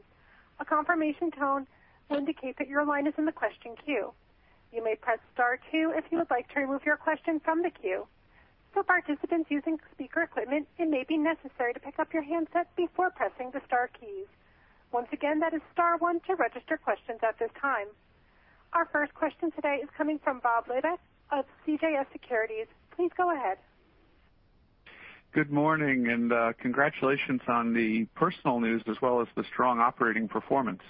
A confirmation tone will indicate that your line is in the question queue. You may press star two if you would like to remove your question from the queue. For participants using speaker equipment, it may be necessary to pick up your handset before pressing the star keys. Once again, that is star one to register questions at this time. Our first question today is coming from Bob Labick of CJS Securities. Please go ahead. Good morning. Congratulations on the personal news as well as the strong operating performance.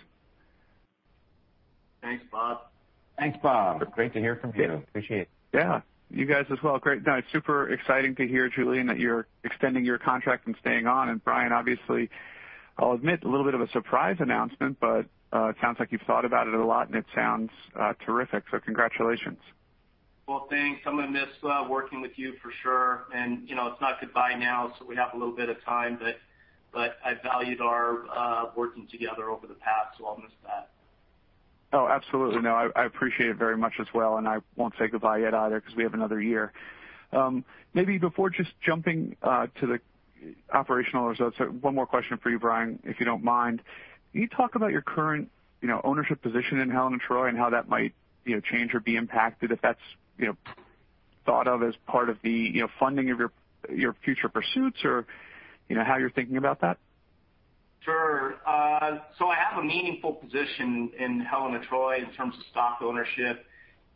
Thanks, Bob. Thanks, Bob. Great to hear from you. Appreciate it. Yeah. You guys as well. Great. No, it's super exciting to hear, Julien, that you're extending your contract and staying on. Brian, obviously, I'll admit a little bit of a surprise announcement, but it sounds like you've thought about it a lot, and it sounds terrific. Congratulations. Well, thanks. I'm going to miss working with you for sure. It's not goodbye now, so we have a little bit of time, but I valued our working together over the past, so I'll miss that. Oh, absolutely. No, I appreciate it very much as well, and I won't say goodbye yet either because we have another year. Maybe before just jumping to the operational results, one more question for you, Brian Grass, if you don't mind. Can you talk about your current ownership position in Helen of Troy and how that might change or be impacted if that's thought of as part of the funding of your future pursuits or how you're thinking about that? Sure. I have a meaningful position in Helen of Troy in terms of stock ownership,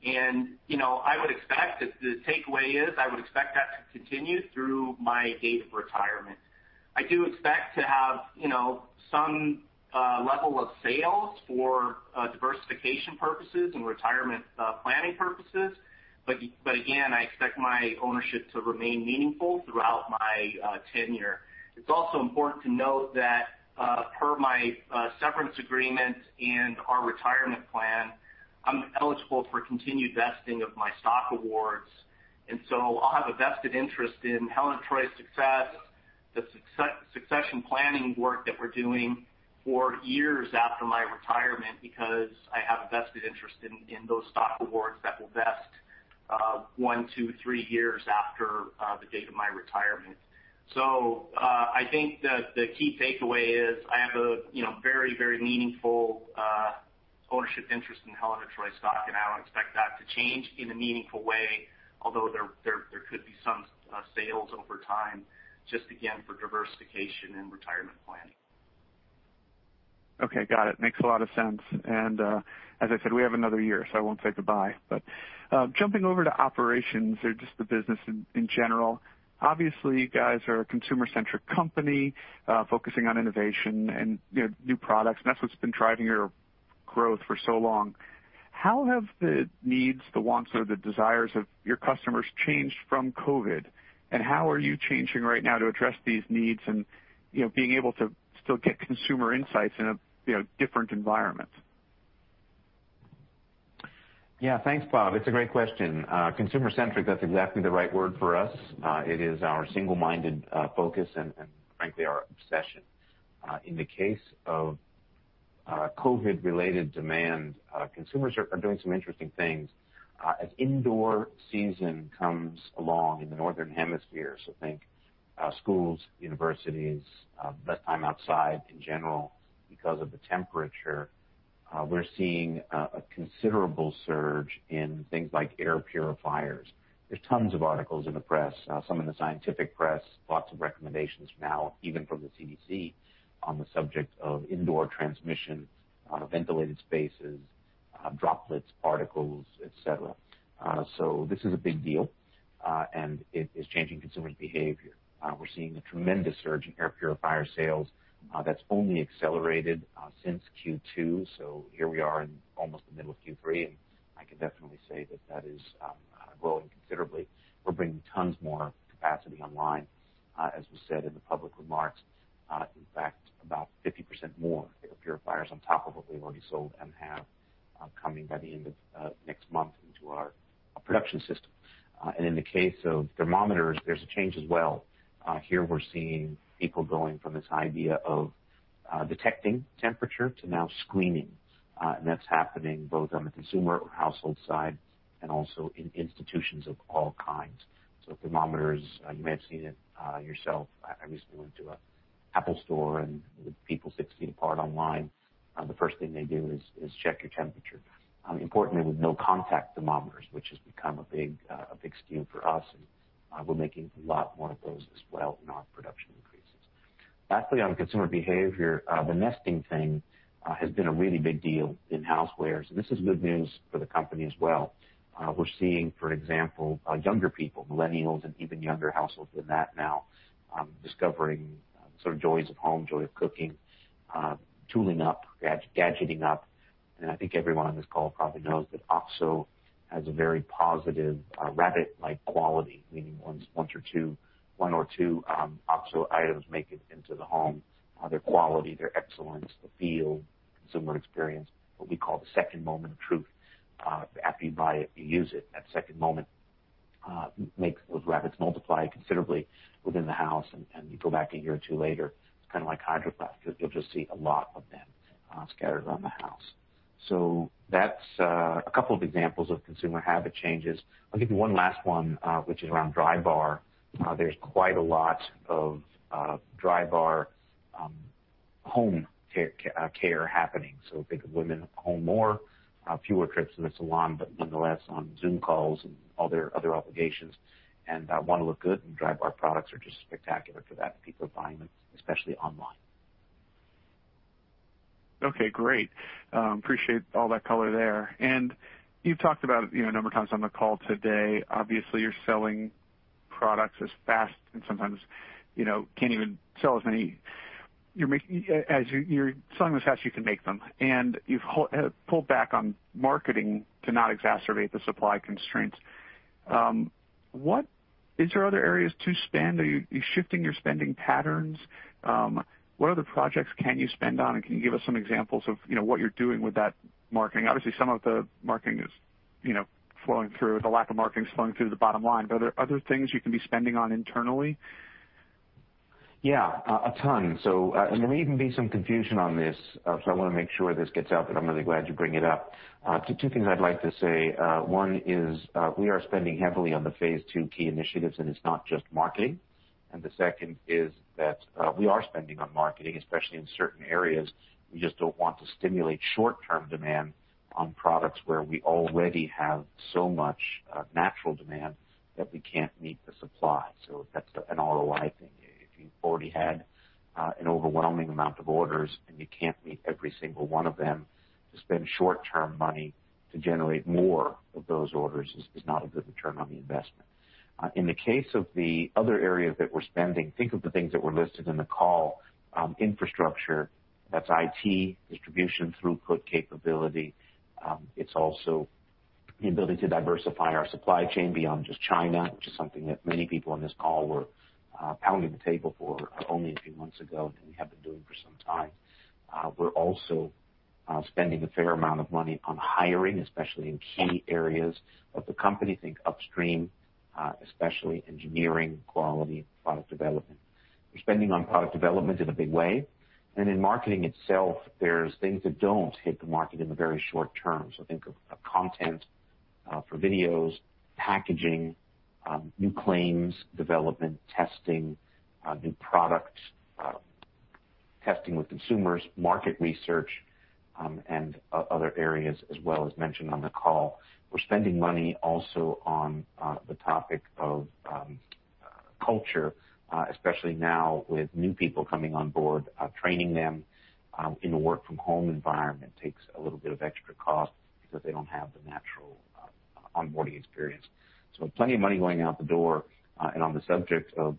and I would expect that the takeaway is I would expect that to continue through my date of retirement. I do expect to have some level of sales for diversification purposes and retirement planning purposes. Again, I expect my ownership to remain meaningful throughout my tenure. It's also important to note that per my severance agreement and our retirement plan, I'm eligible for continued vesting of my stock awards, and so I'll have a vested interest in Helen of Troy's success, the succession planning work that we're doing for years after my retirement, because I have a vested interest in those stock awards that will vest one, two, three years after the date of my retirement. I think that the key takeaway is I have a very meaningful ownership interest in Helen of Troy stock, and I don't expect that to change in a meaningful way, although there could be some sales over time, just again, for diversification and retirement planning. Okay, got it. Makes a lot of sense. As I said, we have another year, so I won't say goodbye. Jumping over to operations or just the business in general. Obviously, you guys are a consumer-centric company focusing on innovation and new products, and that's what's been driving your growth for so long. How have the needs, the wants, or the desires of your customers changed from COVID? How are you changing right now to address these needs and being able to still get consumer insights in a different environment? Yeah. Thanks, Bob. It's a great question. Consumer-centric, that's exactly the right word for us. It is our single-minded focus and frankly, our obsession. In the case of COVID-19-related demand, consumers are doing some interesting things. As indoor season comes along in the northern hemisphere, so think schools, universities, less time outside in general because of the temperature, we're seeing a considerable surge in things like air purifiers. There's tons of articles in the press, some in the scientific press, lots of recommendations now even from the CDC on the subject of indoor transmission, ventilated spaces, droplets, particles, et cetera. This is a big deal, and it is changing consumers' behavior. We're seeing a tremendous surge in air purifier sales that's only accelerated since Q2. Here we are in almost the middle of Q3, and I can definitely say that that is growing considerably. We're bringing tons more capacity online, as we said in the public remarks. In fact, about 50% more air purifiers on top of what we've already sold and have coming by the end of next month into our production system. In the case of thermometers, there's a change as well. Here we're seeing people going from this idea of detecting temperature to now screening. That's happening both on the consumer or household side and also in institutions of all kinds. Thermometers, you may have seen it yourself. I recently went to an Apple Store, and with people six feet apart in line, the first thing they do is check your temperature. Importantly, with no contact thermometers, which has become a big SKU for us, and we're making a lot more of those as well in our production increases. On consumer behavior, the nesting thing has been a really big deal in housewares, and this is good news for the company as well. We're seeing, for example, younger people, millennials and even younger households than that now discovering Sort of joys of home, joy of cooking, tooling up, gadgeting up. I think everyone on this call probably knows that OXO has a very positive rabbit-like quality, meaning one or two OXO items make it into the home. Their quality, their excellence, the feel, consumer experience, what we call the second moment of truth. After you buy it, you use it. That second moment makes those rabbits multiply considerably within the house, you go back a year or two later, it's kind of like Hydro Flask. You'll just see a lot of them scattered around the house. That's a couple of examples of consumer habit changes. I'll give you one last one, which is around Drybar. There's quite a lot of Drybar home care happening. Think of women at home more, fewer trips in the salon, but nonetheless on Zoom calls and other obligations and want to look good, and Drybar products are just spectacular for that, and people are buying them, especially online. Okay, great. Appreciate all that color there. You've talked about it a number of times on the call today. Obviously, you're selling them as fast as you can make them, and you've pulled back on marketing to not exacerbate the supply constraints. Is there other areas to spend? Are you shifting your spending patterns? What other projects can you spend on, and can you give us some examples of what you're doing with that marketing? Obviously, some of the marketing is flowing through. The lack of marketing is flowing through the bottom line, but are there other things you can be spending on internally? Yeah, a ton. There may even be some confusion on this, so I want to make sure this gets out, but I'm really glad you bring it up. Two things I'd like to say. One is we are spending heavily on the phase II key initiatives, it's not just marketing. The second is that we are spending on marketing, especially in certain areas. We just don't want to stimulate short-term demand on products where we already have so much natural demand that we can't meet the supply. That's an ROI thing. If you've already had an overwhelming amount of orders and you can't meet every single one of them, to spend short-term money to generate more of those orders is not a good return on the investment. In the case of the other areas that we're spending, think of the things that were listed in the call. Infrastructure, that's IT, distribution throughput capability. It's also the ability to diversify our supply chain beyond just China, which is something that many people on this call were pounding the table for only a few months ago, and we have been doing for some time. We're also spending a fair amount of money on hiring, especially in key areas of the company. Think upstream, especially engineering, quality, and product development. We're spending on product development in a big way. In marketing itself, there's things that don't hit the market in the very short term. Think of content for videos, packaging, new claims development, testing, new products, testing with consumers, market research, and other areas as well as mentioned on the call. We're spending money also on the topic of culture, especially now with new people coming on board. Training them in a work from home environment takes a little bit of extra cost because they don't have the natural onboarding experience. Plenty of money going out the door. On the subject of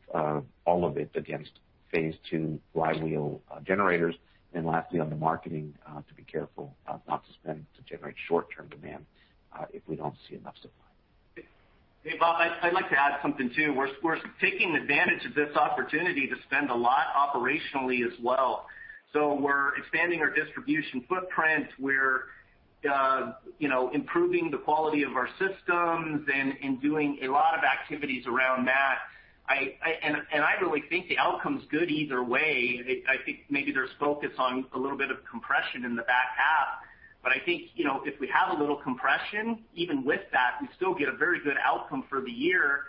all of it against phase II flywheel generators. Lastly, on the marketing, to be careful not to spend to generate short-term demand if we don't see enough supply. Hey, Bob Labick, I'd like to add something, too. We're taking advantage of this opportunity to spend a lot operationally as well. We're expanding our distribution footprint. We're improving the quality of our systems and doing a lot of activities around that. I really think the outcome's good either way. I think maybe there's focus on a little bit of compression in the back half, but I think, if we have a little compression, even with that, we still get a very good outcome for the year,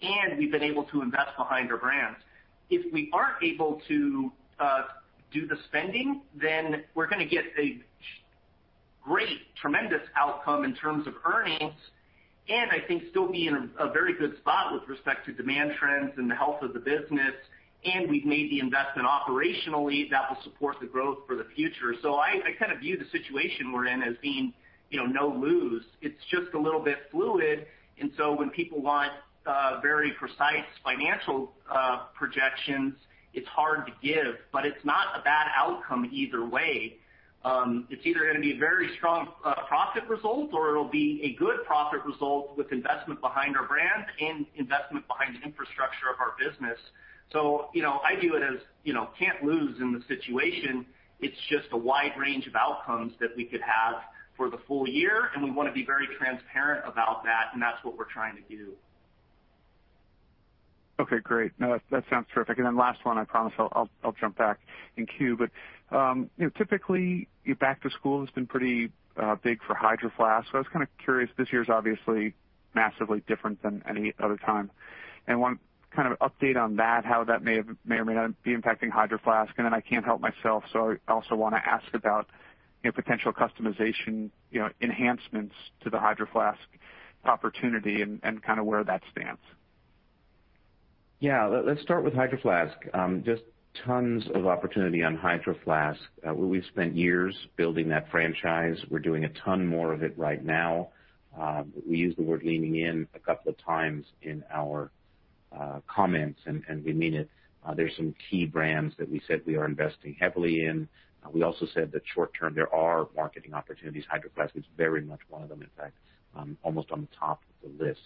and we've been able to invest behind our brands. If we aren't able to do the spending, then we're going to get a great, tremendous outcome in terms of earnings and I think still be in a very good spot with respect to demand trends and the health of the business. We've made the investment operationally that will support the growth for the future. I kind of view the situation we're in as being no lose. It's just a little bit fluid. When people want very precise financial projections, it's hard to give, but it's not a bad outcome either way. It's either going to be a very strong profit result, or it'll be a good profit result with investment behind our brands and investment behind the infrastructure of our business. I view it as can't lose in the situation. It's just a wide range of outcomes that we could have for the full year. We want to be very transparent about that, and that's what we're trying to do. Okay, great. No, that sounds terrific. Last one, I promise I'll jump back in queue. Typically, back to school has been pretty big for Hydro Flask. I was kind of curious, this year is obviously massively different than any other time, and want kind of update on that, how that may or may not be impacting Hydro Flask. I can't help myself, so I also want to ask about potential customization enhancements to the Hydro Flask opportunity and kind of where that stands. Yeah. Let's start with Hydro Flask. Just tons of opportunity on Hydro Flask. We've spent years building that franchise. We're doing a ton more of it right now. We used the word leaning in a couple of times in our comments, and we mean it. There's some key brands that we said we are investing heavily in. We also said that short-term, there are marketing opportunities. Hydro Flask is very much one of them, in fact, almost on the top of the list.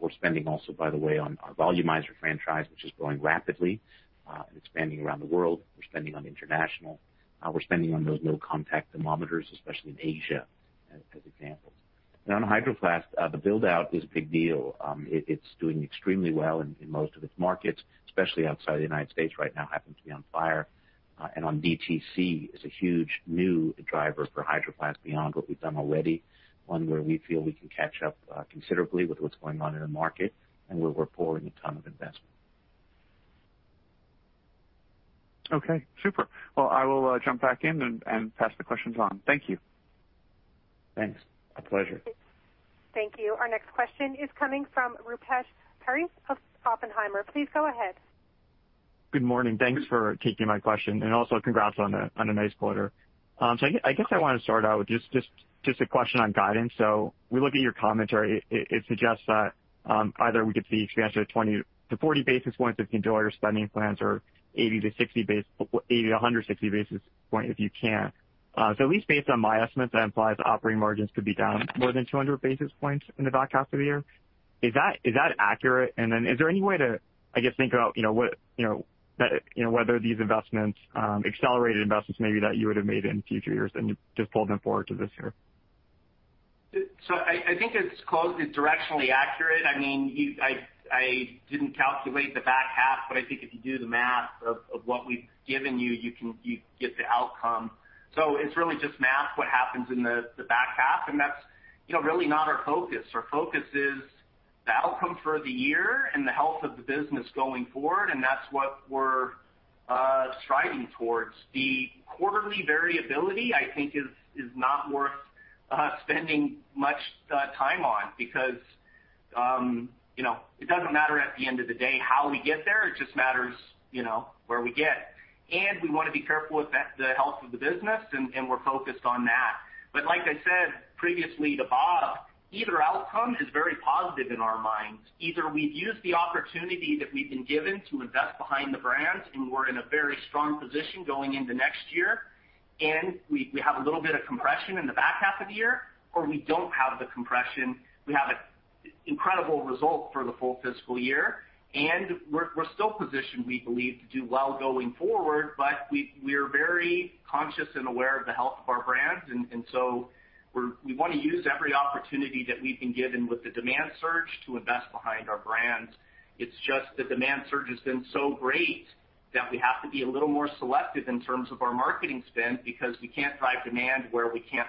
We're spending also, by the way, on our volumizer franchise, which is growing rapidly and expanding around the world. We're spending on international. We're spending on those no-contact thermometers, especially in Asia, as examples. On Hydro Flask, the build-out is a big deal. It's doing extremely well in most of its markets, especially outside the U.S. right now. Happens to be on fire. On DTC is a huge new driver for Hydro Flask beyond what we've done already, one where we feel we can catch up considerably with what's going on in the market, and where we're pouring a ton of investment. Okay, super. Well, I will jump back in and pass the questions on. Thank you. Thanks. A pleasure. Thank you. Our next question is coming from Rupesh Parikh of Oppenheimer. Please go ahead. Good morning. Thanks for taking my question and also congrats on a nice quarter. I guess I want to start out with just a question on guidance. we look at your commentary, it suggests that either we could see expansion of 20-40 basis points if you can deploy your spending plans or 80-160 basis point if you can't. at least based on my estimates, that implies operating margins could be down more than 200 basis points in the back half of the year. Is that accurate? is there any way to, I guess, think about whether these accelerated investments maybe that you would've made in future years, and you've just pulled them forward to this year? I think it's directionally accurate. I didn't calculate the back half, but I think if you do the math of what we've given you get the outcome. It's really just math, what happens in the back half, and that's really not our focus. Our focus is the outcome for the year and the health of the business going forward, and that's what we're striving towards. The quarterly variability, I think is not worth spending much time on because it doesn't matter at the end of the day how we get there. It just matters where we get. We want to be careful with the health of the business, and we're focused on that. Like I said previously to Bob, either outcome is very positive in our minds. Either we've used the opportunity that we've been given to invest behind the brands, and we're in a very strong position going into next year, and we have a little bit of compression in the back half of the year, or we don't have the compression. We have an incredible result for the full fiscal year, and we're still positioned, we believe, to do well going forward. We are very conscious and aware of the health of our brands. We want to use every opportunity that we've been given with the demand surge to invest behind our brands. It's just the demand surge has been so great that we have to be a little more selective in terms of our marketing spend because we can't drive demand where we can't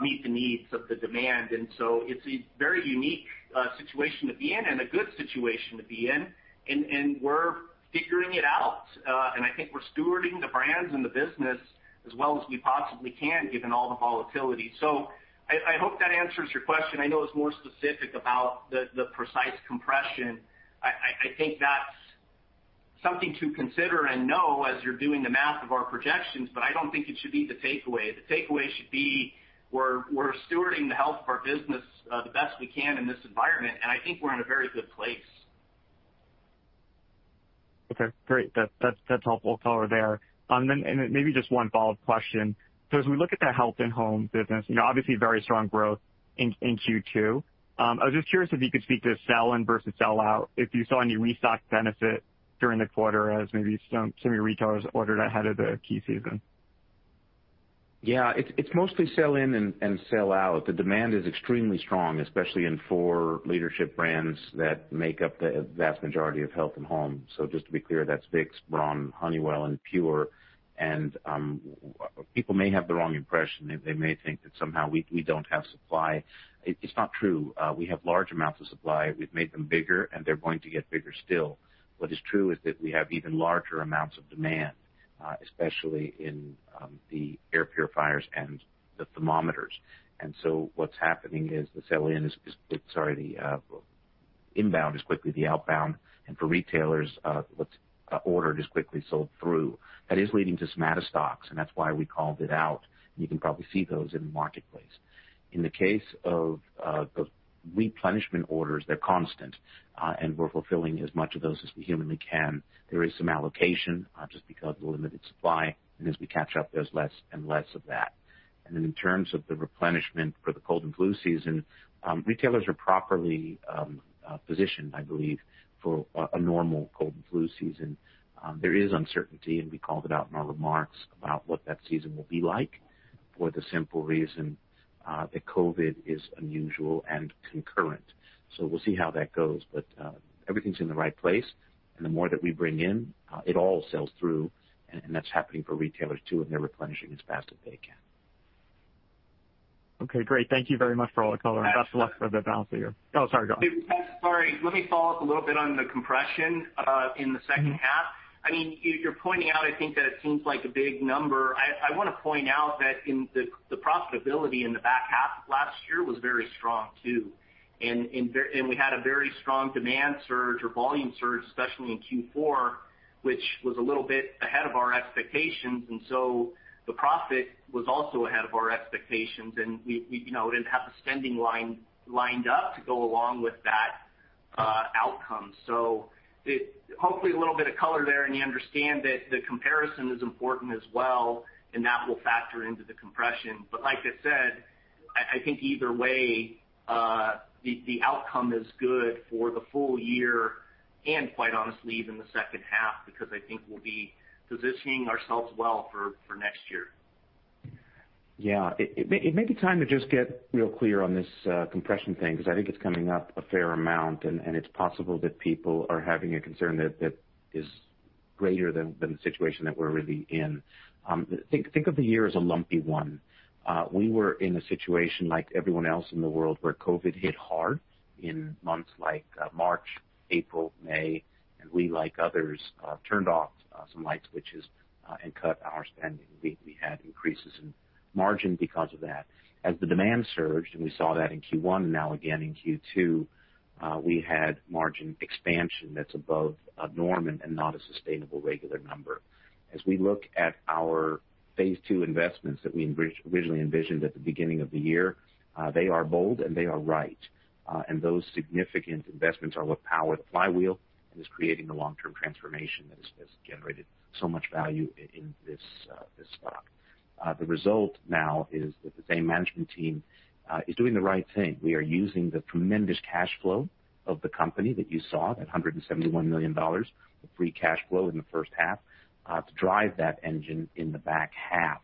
meet the needs of the demand. It's a very unique situation to be in and a good situation to be in, and we're figuring it out. I think we're stewarding the brands and the business as well as we possibly can, given all the volatility. I hope that answers your question. I know it's more specific about the precise compression. I think that's something to consider and know as you're doing the math of our projections, but I don't think it should be the takeaway. The takeaway should be we're stewarding the health of our business the best we can in this environment, and I think we're in a very good place. Okay, great. That's helpful color there. Then maybe just one follow-up question. As we look at the Health & Home business, obviously very strong growth in Q2. I was just curious if you could speak to sell-in versus sellout, if you saw any restock benefit during the quarter as maybe some retailers ordered ahead of the key season. Yeah. It's mostly sell-in and sell-out. The demand is extremely strong, especially in four leadership brands that make up the vast majority of Health & Home. Just to be clear, that's Vicks, Braun, Honeywell, and PUR. People may have the wrong impression. They may think that somehow we don't have supply. It's not true. We have large amounts of supply. We've made them bigger, and they're going to get bigger still. What is true is that we have even larger amounts of demand, especially in the air purifiers and the thermometers. What's happening is the inbound as quickly as the outbound, and for retailers, what's ordered is quickly sold through. That is leading to some out of stocks, and that's why we called it out, and you can probably see those in the marketplace. In the case of the replenishment orders, they're constant, and we're fulfilling as much of those as we humanly can. There is some allocation, just because of the limited supply, and as we catch up, there's less and less of that. In terms of the replenishment for the cold and flu season, retailers are properly positioned, I believe, for a normal cold and flu season. There is uncertainty, and we called it out in our remarks about what that season will be like for the simple reason that COVID is unusual and concurrent. We'll see how that goes. Everything's in the right place, and the more that we bring in, it all sells through, and that's happening for retailers, too, and they're replenishing as fast as they can. Okay, great. Thank you very much for all the color. Yes. Best of luck for the balance of the year. Oh, sorry, go ahead. Sorry. Let me follow-up a little bit on the compression in the second half. You're pointing out, I think that it seems like a big number. I want to point out that the profitability in the back half of last year was very strong, too. We had a very strong demand surge or volume surge, especially in Q4, which was a little bit ahead of our expectations. The profit was also ahead of our expectations, and we didn't have the spending lined up to go along with that outcomes. Hopefully a little bit of color there, and you understand that the comparison is important as well, and that will factor into the compression. Like I said, I think either way, the outcome is good for the full year and quite honestly, even the second half, because I think we'll be positioning ourselves well for next year. Yeah. It may be time to just get real clear on this compression thing, because I think it's coming up a fair amount, and it's possible that people are having a concern that is greater than the situation that we're really in. Think of the year as a lumpy one. We were in a situation like everyone else in the world where COVID-19 hit hard in months like March, April, May, and we, like others, turned off some light switches and cut our spending. We had increases in margin because of that. As the demand surged, and we saw that in Q1 and now again in Q2, we had margin expansion that's above norm and not a sustainable regular number. As we look at our phase II investments that we originally envisioned at the beginning of the year, they are bold and they are right. Those significant investments are what power the flywheel and is creating the long-term transformation that has generated so much value in this stock. The result now is that the same management team is doing the right thing. We are using the tremendous cash flow of the company that you saw, that $171 million of free cash flow in the first half, to drive that engine in the back half.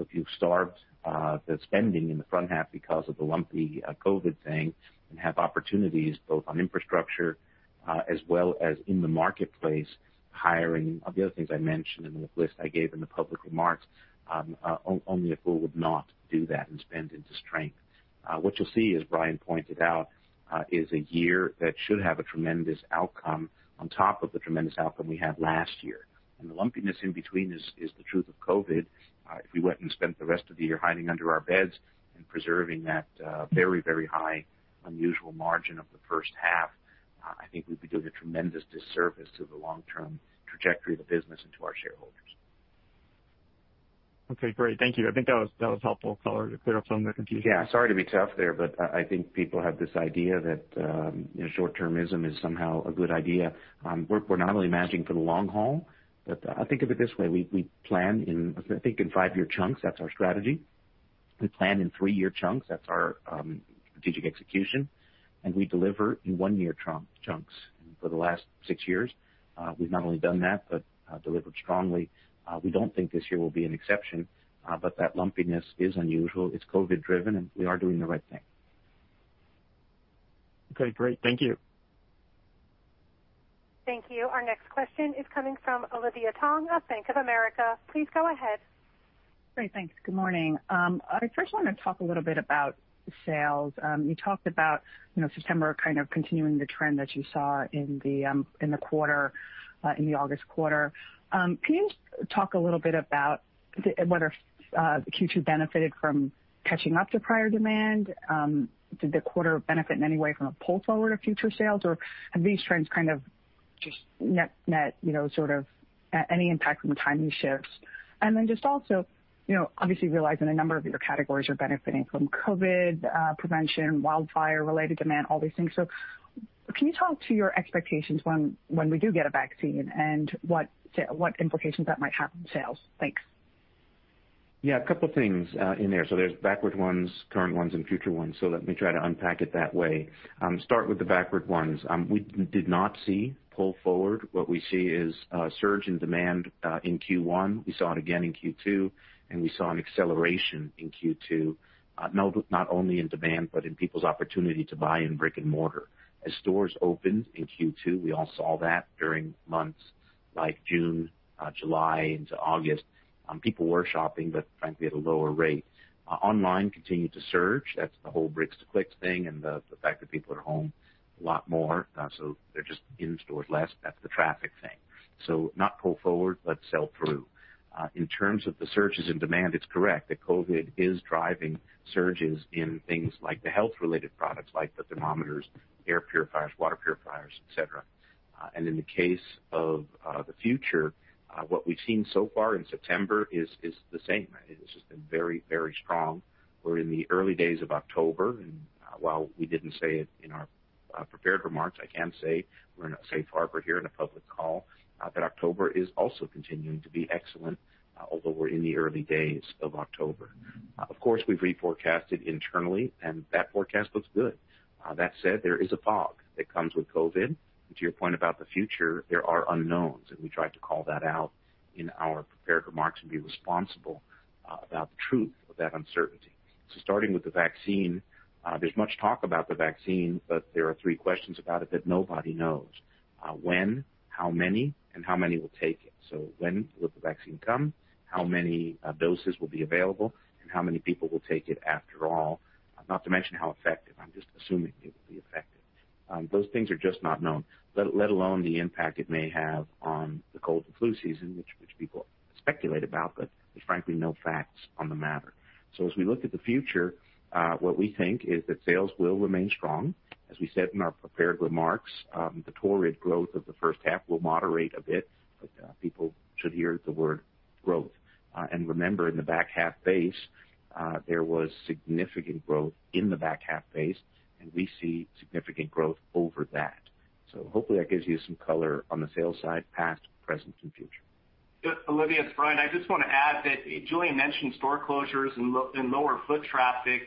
If you've starved the spending in the front half because of the lumpy COVID thing and have opportunities both on infrastructure as well as in the marketplace, hiring, all the other things I mentioned in the list I gave in the public remarks, only a fool would not do that and spend into strength. What you'll see, as Brian pointed out, is a year that should have a tremendous outcome on top of the tremendous outcome we had last year. The lumpiness in between is the truth of COVID. If we went and spent the rest of the year hiding under our beds and preserving that very, very high, unusual margin of the first half, I think we'd be doing a tremendous disservice to the long-term trajectory of the business and to our shareholders. Okay, great. Thank you. I think that was helpful color to clear up some of the confusion. Sorry to be tough there, I think people have this idea that short-termism is somehow a good idea. We're not only managing for the long haul, but think of it this way. We plan in, I think, in five-year chunks. That's our strategy. We plan in three-year chunks. That's our strategic execution, we deliver in one-year chunks. For the last six years, we've not only done that, but delivered strongly. We don't think this year will be an exception, but that lumpiness is unusual. It's COVID driven, we are doing the right thing. Okay, great. Thank you. Thank you. Our next question is coming from Olivia Tong of Bank of America. Please go ahead. Great. Thanks. Good morning. I first want to talk a little bit about sales. You talked about September kind of continuing the trend that you saw in the August quarter. Can you talk a little bit about whether Q2 benefited from catching up to prior demand? Did the quarter benefit in any way from a pull forward of future sales, or have these trends kind of just net, sort of any impact from the timing shifts? Then just also, obviously realizing a number of your categories are benefiting from COVID prevention, wildfire-related demand, all these things. Can you talk to your expectations when we do get a vaccine and what implications that might have on sales? Thanks. Yeah, a couple things in there. There's backward ones, current ones, and future ones. Let me try to unpack it that way. Start with the backward ones. We did not see pull forward. What we see is a surge in demand in Q1. We saw it again in Q2, and we saw an acceleration in Q2, not only in demand, but in people's opportunity to buy in brick and mortar. As stores opened in Q2, we all saw that during months like June, July into August, people were shopping, but frankly, at a lower rate. Online continued to surge. That's the whole bricks to clicks thing and the fact that people are home a lot more, so they're just in stores less. That's the traffic thing. Not pull forward, but sell through. In terms of the surges in demand, it's correct that COVID-19 is driving surges in things like the health-related products, like the thermometers, air purifiers, water purifiers, et cetera. In the case of the future, what we've seen so far in September is the same. It's just been very strong. We're in the early days of October, and while we didn't say it in our prepared remarks, I can say we're in a safe harbor here in a public call, that October is also continuing to be excellent, although we're in the early days of October. Of course, we've reforecasted internally, and that forecast looks good. That said, there is a fog that comes with COVID-19. To your point about the future, there are unknowns, and we tried to call that out in our prepared remarks and be responsible about the truth of that uncertainty. Starting with the vaccine, there's much talk about the vaccine, but there are three questions about it that nobody knows. When, how many, and how many will take it. When will the vaccine come, how many doses will be available, and how many people will take it after all? Not to mention how effective. I'm just assuming it will be effective. Those things are just not known, let alone the impact it may have on the cold and flu season, which people speculate about, but there's frankly no facts on the matter. As we look at the future, what we think is that sales will remain strong. As we said in our prepared remarks, the torrid growth of the first half will moderate a bit, but people should hear the word growth. Remember, in the back half base, there was significant growth in the back half base, and we see significant growth over that. Hopefully that gives you some color on the sales side, past, present, and future. Olivia, it's Brian. I just want to add that Julien mentioned store closures and lower foot traffic.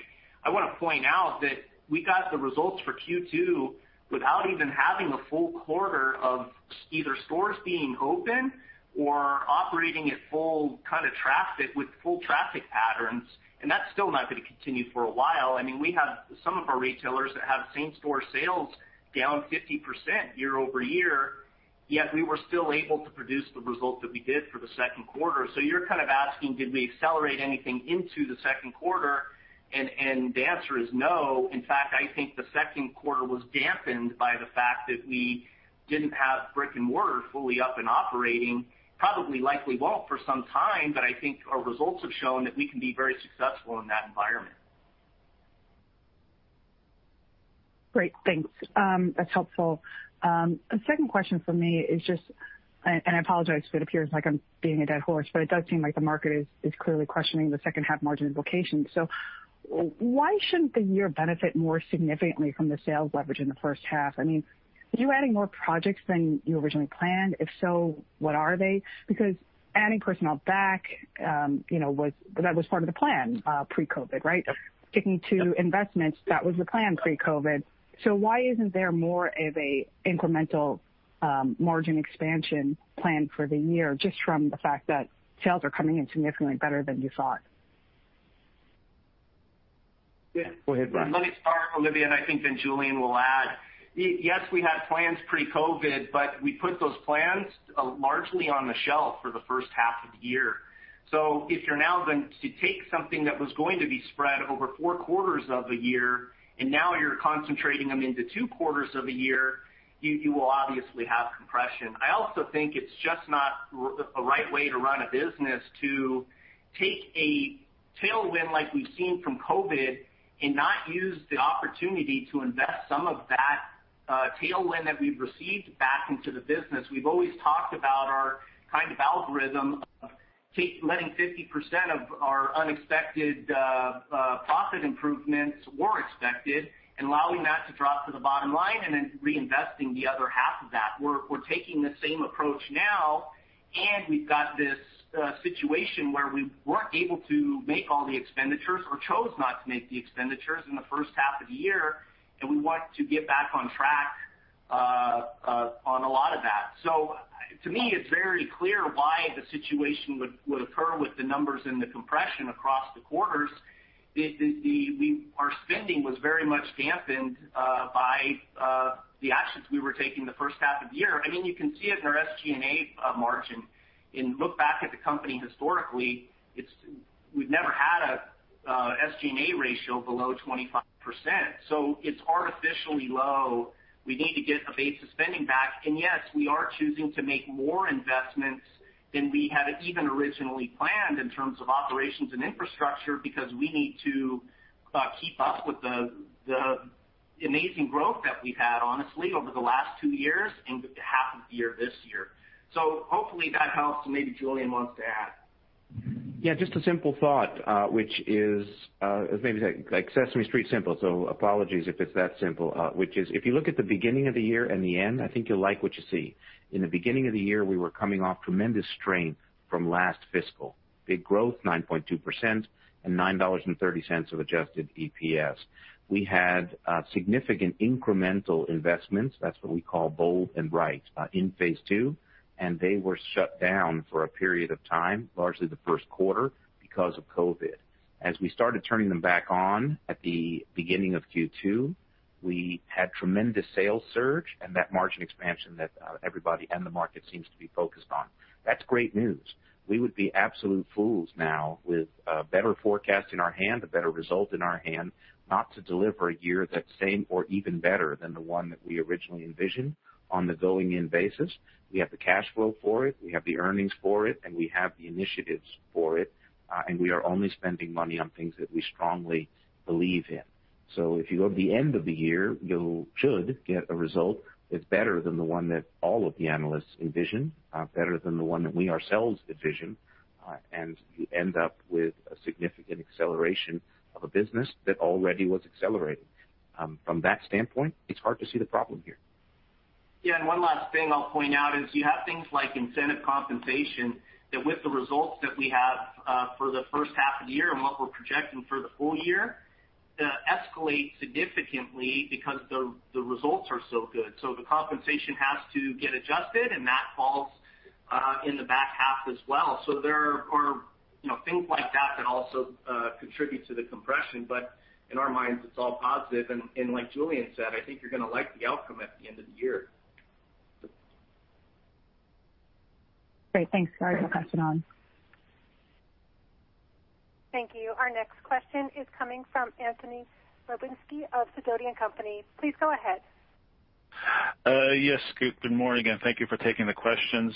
I want to point out that we got the results for Q2 without even having a full quarter of either stores being open or operating at full traffic with full traffic patterns. That's still not going to continue for a while. We have some of our retailers that have same-store sales down 50% YoY, yet we were still able to produce the result that we did for the second quarter. You're kind of asking, did we accelerate anything into the second quarter? The answer is no. In fact, I think the second quarter was dampened by the fact that we didn't have brick-and-mortar fully up and operating, probably likely won't for some time. I think our results have shown that we can be very successful in that environment. Great, thanks. That's helpful. A second question from me is just, and I apologize if it appears like I'm beating a dead horse, but it does seem like the market is clearly questioning the second half margin implication. Why shouldn't the year benefit more significantly from the sales leverage in the first half? Are you adding more projects than you originally planned? If so, what are they? Adding personnel back, that was part of the plan pre-COVID, right? Yes. Sticking to investments, that was the plan pre-COVID. Why isn't there more of an incremental margin expansion plan for the year, just from the fact that sales are coming in significantly better than you thought? Yeah. Go ahead, Brian. Let me start, Olivia, and I think Julien will add. Yes, we had plans pre-COVID-19. We put those plans largely on the shelf for the first half of the year. If you're now going to take something that was going to be spread over four quarters of a year, and now you're concentrating them into two quarters of a year, you will obviously have compression. I also think it's just not the right way to run a business to take a tailwind like we've seen from COVID-19 and not use the opportunity to invest some of that tailwind that we've received back into the business. We've always talked about our kind of algorithm of letting 50% of our unexpected profit improvements were expected, and allowing that to drop to the bottom line, and then reinvesting the other half of that. We're taking the same approach now. We've got this situation where we weren't able to make all the expenditures or chose not to make the expenditures in the first half of the year. We want to get back on track on a lot of that. To me, it's very clear why the situation would occur with the numbers and the compression across the quarters. Our spending was very much dampened by the actions we were taking the first half of the year. You can see it in our SG&A margin. Look back at the company historically, we've never had an SG&A ratio below 25%. It's artificially low. We need to get a base of spending back. Yes, we are choosing to make more investments than we had even originally planned in terms of operations and infrastructure, because we need to keep up with the amazing growth that we've had, honestly, over the last two years and the half of the year this year. Hopefully that helps, and maybe Julien wants to add. Just a simple thought, which is maybe like Sesame Street simple, so apologies if it's that simple. If you look at the beginning of the year and the end, I think you'll like what you see. In the beginning of the year, we were coming off tremendous strength from last fiscal. Big growth, 9.2%, and $9.30 of adjusted EPS. We had significant incremental investments. That's what we call bold and right, in phase II, and they were shut down for a period of time, largely the first quarter, because of COVID-19. We started turning them back on at the beginning of Q2, we had tremendous sales surge and that margin expansion that everybody and the market seems to be focused on. That's great news. We would be absolute fools now with a better forecast in our hand, a better result in our hand, not to deliver a year that's same or even better than the one that we originally envisioned on the going-in basis. We have the cash flow for it, we have the earnings for it, and we have the initiatives for it, and we are only spending money on things that we strongly believe in. If you go to the end of the year, you should get a result that's better than the one that all of the analysts envisioned, better than the one that we ourselves envisioned, and you end up with a significant acceleration of a business that already was accelerating. From that standpoint, it's hard to see the problem here. One last thing I'll point out is you have things like incentive compensation that with the results that we have for the first half of the year and what we're projecting for the full year, escalate significantly because the results are so good. The compensation has to get adjusted, and that falls in the back half as well. There are things like that also contribute to the compression. In our minds, it's all positive. Like Julien said, I think you're going to like the outcome at the end of the year. Great. Thanks. Sorry to go cross-talk. Thank you. Our next question is coming from Anthony Gagliardi of The Guardian Life Insurance Company of America. Please go ahead. Yes, good morning. Thank you for taking the questions.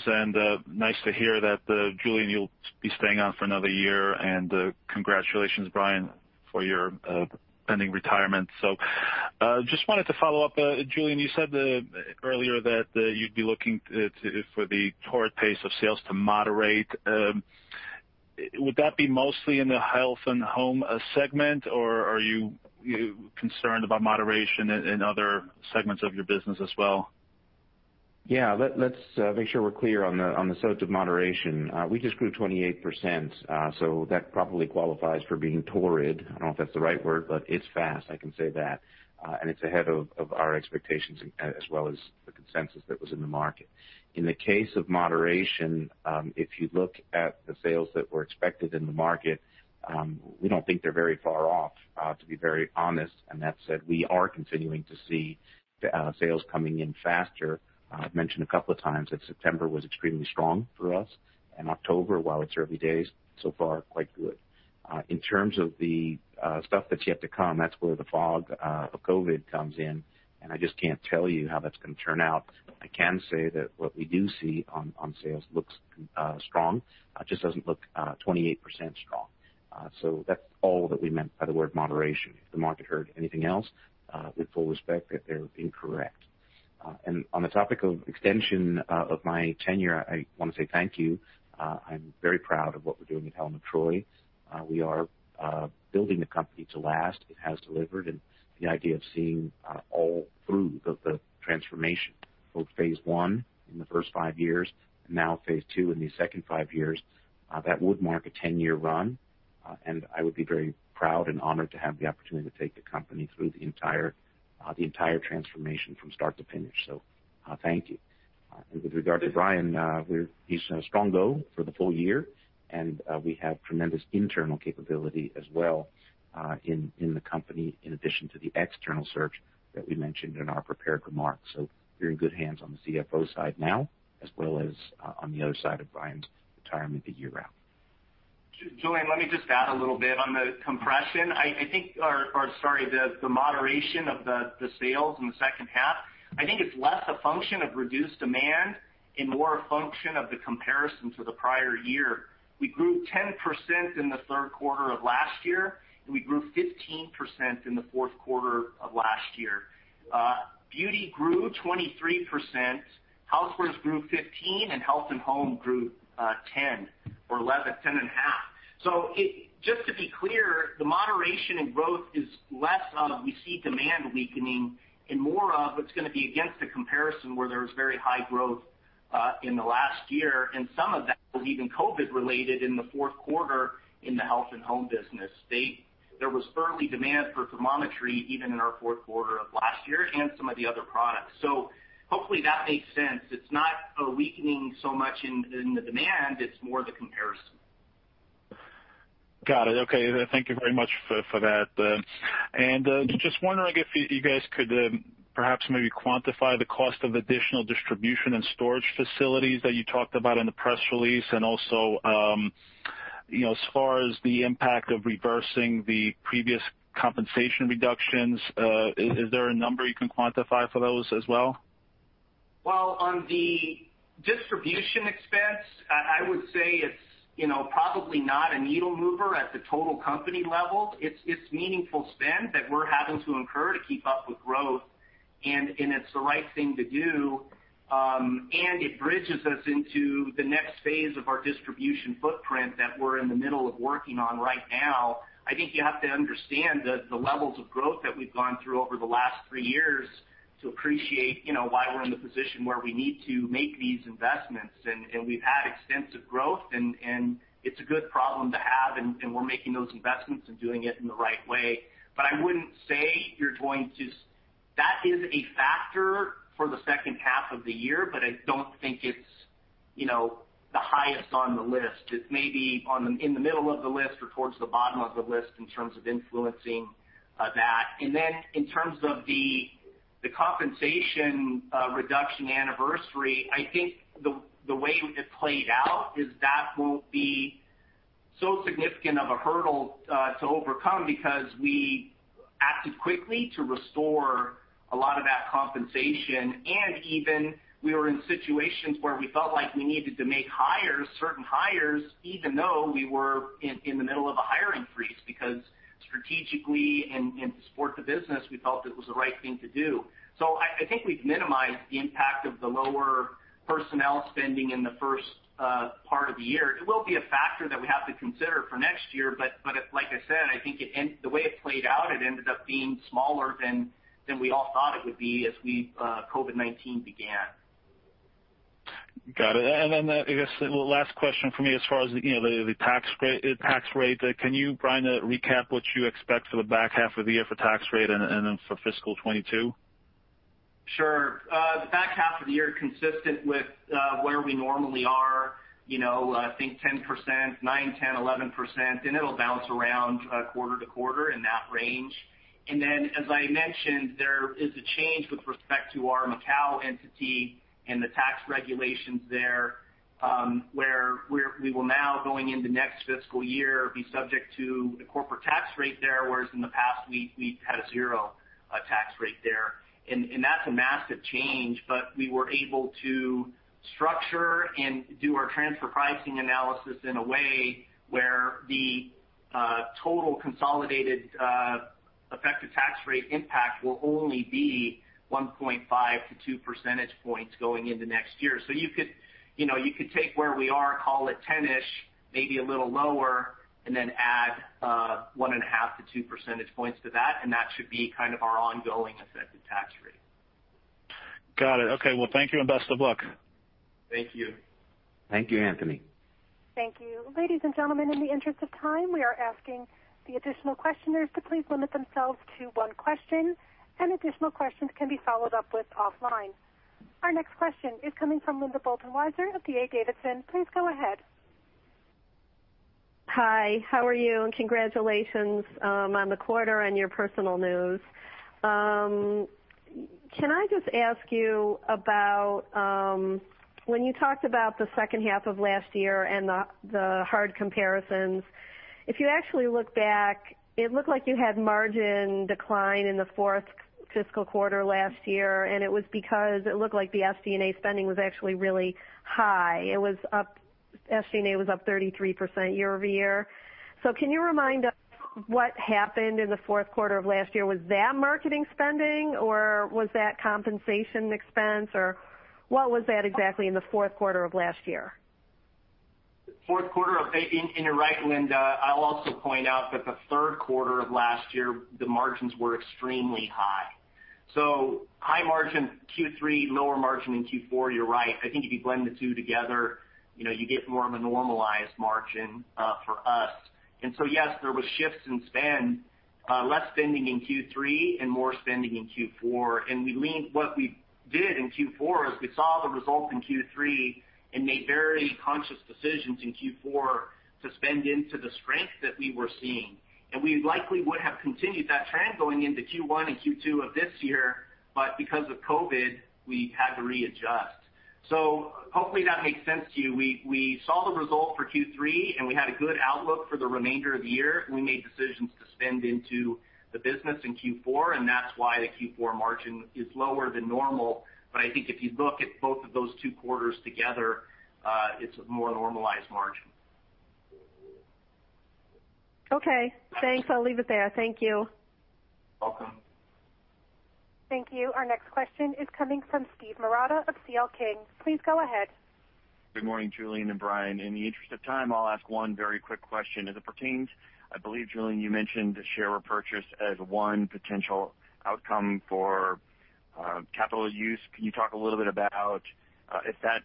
Nice to hear that Julien, you'll be staying on for another year. Congratulations, Brian, for your pending retirement. Just wanted to follow-up. Julien, you said earlier that you'd be looking for the torrid pace of sales to moderate. Would that be mostly in the Health & Home segment, or are you concerned about moderation in other segments of your business as well? Yeah. Let's make sure we're clear on the subject of moderation. We just grew 28%, that probably qualifies for being torrid. I don't know if that's the right word, but it's fast, I can say that. It's ahead of our expectations, as well as the consensus that was in the market. In the case of moderation, if you look at the sales that were expected in the market, we don't think they're very far off, to be very honest. That said, we are continuing to see sales coming in faster. I've mentioned a couple of times that September was extremely strong for us, and October, while it's early days, so far, quite good. In terms of the stuff that's yet to come, that's where the fog of COVID comes in, and I just can't tell you how that's going to turn out. I can say that what we do see on sales looks strong. It just doesn't look 28% strong. That's all that we meant by the word moderation. If the market heard anything else, with full respect, that they're incorrect. On the topic of extension of my tenure, I want to say thank you. I'm very proud of what we're doing at Helen of Troy. We are building the company to last. It has delivered, and the idea of seeing all through the transformation, both phase I in the first five years and now phase II in the second five years, that would mark a 10-year run. I would be very proud and honored to have the opportunity to take the company through the entire transformation from start to finish. Thank you. With regard to Brian, he's a strong go for the full year, and we have tremendous internal capability as well in the company, in addition to the external search that we mentioned in our prepared remarks. We're in good hands on the Chief Financial Officer side now, as well as on the other side of Brian's retirement a year out. Julien, let me just add a little bit. On the compression, I think, or sorry, the moderation of the sales in the second half, I think it's less a function of reduced demand and more a function of the comparison to the prior year. We grew 10% in the third quarter of last year, and we grew 15% in the fourth quarter of last year. Beauty grew 23%, Housewares grew 15%, and Health & Home grew 10% or 11%, 10.5%. Just to be clear, the moderation in growth is less of, we see demand weakening and more of, it's going to be against a comparison where there was very high growth in the last year. Some of that was even COVID-19 related in the fourth quarter in the Health & Home business. There was certainly demand for thermometry even in our fourth quarter of last year and some of the other products. Hopefully, that makes sense. It's not a weakening so much in the demand. It's more the comparison. Got it. Okay. Thank you very much for that. Just wondering if you guys could perhaps maybe quantify the cost of additional distribution and storage facilities that you talked about in the press release. Also, as far as the impact of reversing the previous compensation reductions, is there a number you can quantify for those as well? On the distribution expense, I would say it's probably not a needle mover at the total company level. It's meaningful spend that we're having to incur to keep up with growth, and it's the right thing to do. It bridges us into the next phase of our distribution footprint that we're in the middle of working on right now. I think you have to understand the levels of growth that we've gone through over the last three years to appreciate why we're in the position where we need to make these investments. We've had extensive growth, and it's a good problem to have, and we're making those investments and doing it in the right way. I wouldn't say that is a factor for the second half of the year, but I don't think it's the highest on the list. It's maybe in the middle of the list or towards the bottom of the list in terms of influencing that. In terms of the compensation reduction anniversary, I think the way it played out is that won't be so significant of a hurdle to overcome because we acted quickly to restore a lot of that compensation. We were in situations where we felt like we needed to make hires, certain hires, even though we were in the middle of a hiring freeze, because strategically and to support the business, we felt it was the right thing to do. I think we've minimized the impact of the lower personnel spending in the first part of the year. It will be a factor that we have to consider for next year. Like I said, I think the way it played out, it ended up being smaller than we all thought it would be as COVID-19 began. Got it. I guess the last question from me as far as the tax rate. Can you, Brian, recap what you expect for the back half of the year for tax rate and then for fiscal 2022? Sure. The back half of the year, consistent with where we normally are, I think 10%, 9%, 10%, 11%, and it'll bounce around quarter-to-quarter in that range. As I mentioned, there is a change with respect to our Macau entity and the tax regulations there, where we will now, going into next fiscal year, be subject to a corporate tax rate there, whereas in the past, we've had a 0% tax rate there. That's a massive change. We were able to structure and do our transfer pricing analysis in a way where the total consolidated effective tax rate impact will only be 1.5-2 percentage points going into next year. You could take where we are, call it 10-ish, maybe a little lower, and then add 1.5-2 percentage points to that, and that should be kind of our ongoing effective tax rate. Got it. Okay. Well, thank you, and best of luck. Thank you. Thank you, Anthony. Thank you. Ladies and gentlemen, in the interest of time, we are asking the additional questioners to please limit themselves to one question, and additional questions can be followed up with offline. Our next question is coming from Linda Bolton Weiser of D.A. Davidson. Please go ahead. Hi, how are you? Congratulations on the quarter and your personal news. Can I just ask you about when you talked about the second half of last year and the hard comparisons. If you actually look back, it looked like you had margin decline in the fourth fiscal quarter last year, and it was because it looked like the SG&A spending was actually really high. SG&A was up 33% YoY. Can you remind us what happened in the fourth quarter of last year? Was that marketing spending, or was that compensation expense, or what was that exactly in the fourth quarter of last year? Fourth quarter. You're right, Linda. I'll also point out that the third quarter of last year, the margins were extremely high. High margin Q3, lower margin in Q4, you're right. I think if you blend the two together, you get more of a normalized margin for us. Yes, there was shifts in spend, less spending in Q3 and more spending in Q4. What we did in Q4 is we saw the results in Q3 and made very conscious decisions in Q4 to spend into the strength that we were seeing. We likely would have continued that trend going into Q1 and Q2 of this year, but because of COVID-19, we had to readjust. Hopefully that makes sense to you. We saw the result for Q3, and we had a good outlook for the remainder of the year. We made decisions to spend into the business in Q4, and that's why the Q4 margin is lower than normal. I think if you look at both of those two quarters together, it's a more normalized margin. Okay, thanks. I'll leave it there. Thank you. Welcome. Thank you. Our next question is coming from Steve Marotta of C.L. King. Please go ahead. Good morning, Julien and Brian. In the interest of time, I'll ask one very quick question as it pertains. I believe, Julien, you mentioned share repurchase as one potential outcome for capital use. Can you talk a little bit about if that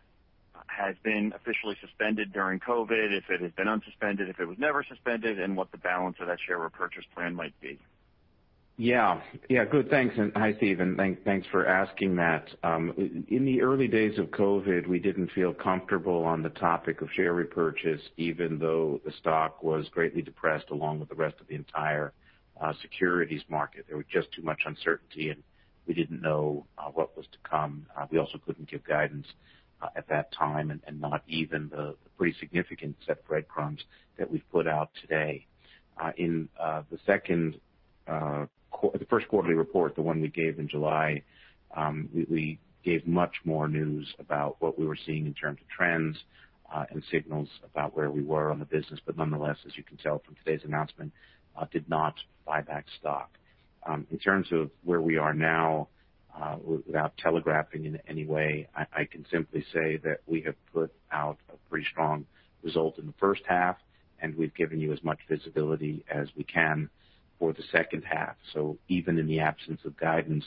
has been officially suspended during COVID, if it has been unsuspended, if it was never suspended, and what the balance of that share repurchase plan might be? Yeah. Good. Thanks. Hi, Steve. Thanks for asking that. In the early days of COVID, we didn't feel comfortable on the topic of share repurchase, even though the stock was greatly depressed along with the rest of the entire securities market. There was just too much uncertainty, and we didn't know what was to come. We also couldn't give guidance at that time and not even the pretty significant set of breadcrumbs that we've put out today. In the first quarterly report, the one we gave in July, we gave much more news about what we were seeing in terms of trends and signals about where we were on the business, but nonetheless, as you can tell from today's announcement, did not buy back stock. In terms of where we are now, without telegraphing in any way, I can simply say that we have put out a pretty strong result in the first half, and we've given you as much visibility as we can for the second half. Even in the absence of guidance,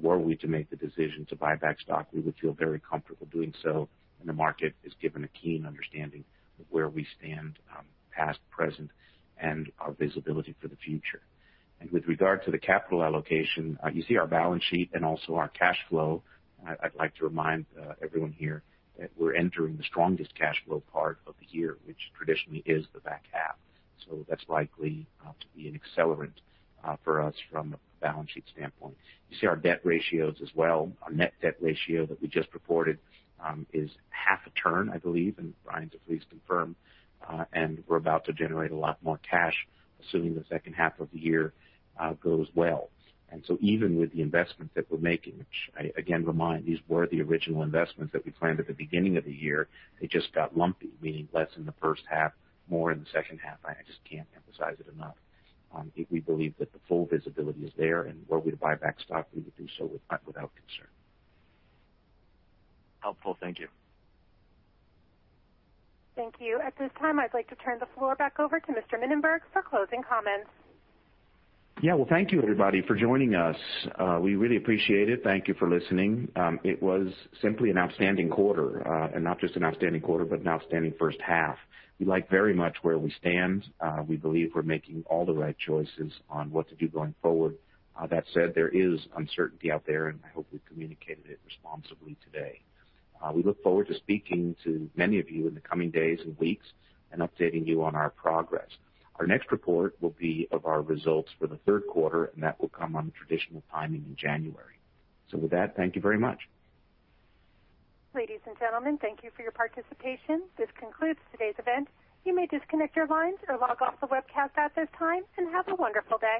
were we to make the decision to buy back stock, we would feel very comfortable doing so when the market is given a keen understanding of where we stand, past, present, and our visibility for the future. With regard to the capital allocation, you see our balance sheet and also our cash flow. I'd like to remind everyone here that we're entering the strongest cash flow part of the year, which traditionally is the back half. That's likely to be an accelerant for us from a balance sheet standpoint. You see our debt ratios as well. Our net debt ratio that we just reported is half a turn, I believe, and Brian to please confirm. We're about to generate a lot more cash, assuming the second half of the year goes well. Even with the investments that we're making, which I, again, remind these were the original investments that we planned at the beginning of the year, they just got lumpy, meaning less in the first half, more in the second half. I just can't emphasize it enough. We believe that the full visibility is there, and were we to buy back stock, we would do so without concern. Helpful. Thank you. Thank you. At this time, I'd like to turn the floor back over to Mr. Mininberg for closing comments. Well, thank you everybody for joining us. We really appreciate it. Thank you for listening. It was simply an outstanding quarter, and not just an outstanding quarter, but an outstanding first half. We like very much where we stand. We believe we're making all the right choices on what to do going forward. That said, there is uncertainty out there, and I hope we communicated it responsibly today. We look forward to speaking to many of you in the coming days and weeks and updating you on our progress. Our next report will be of our results for the third quarter, and that will come on the traditional timing in January. With that, thank you very much. Ladies and gentlemen, thank you for your participation. This concludes today's event. You may disconnect your lines or log off the webcast at this time, and have a wonderful day.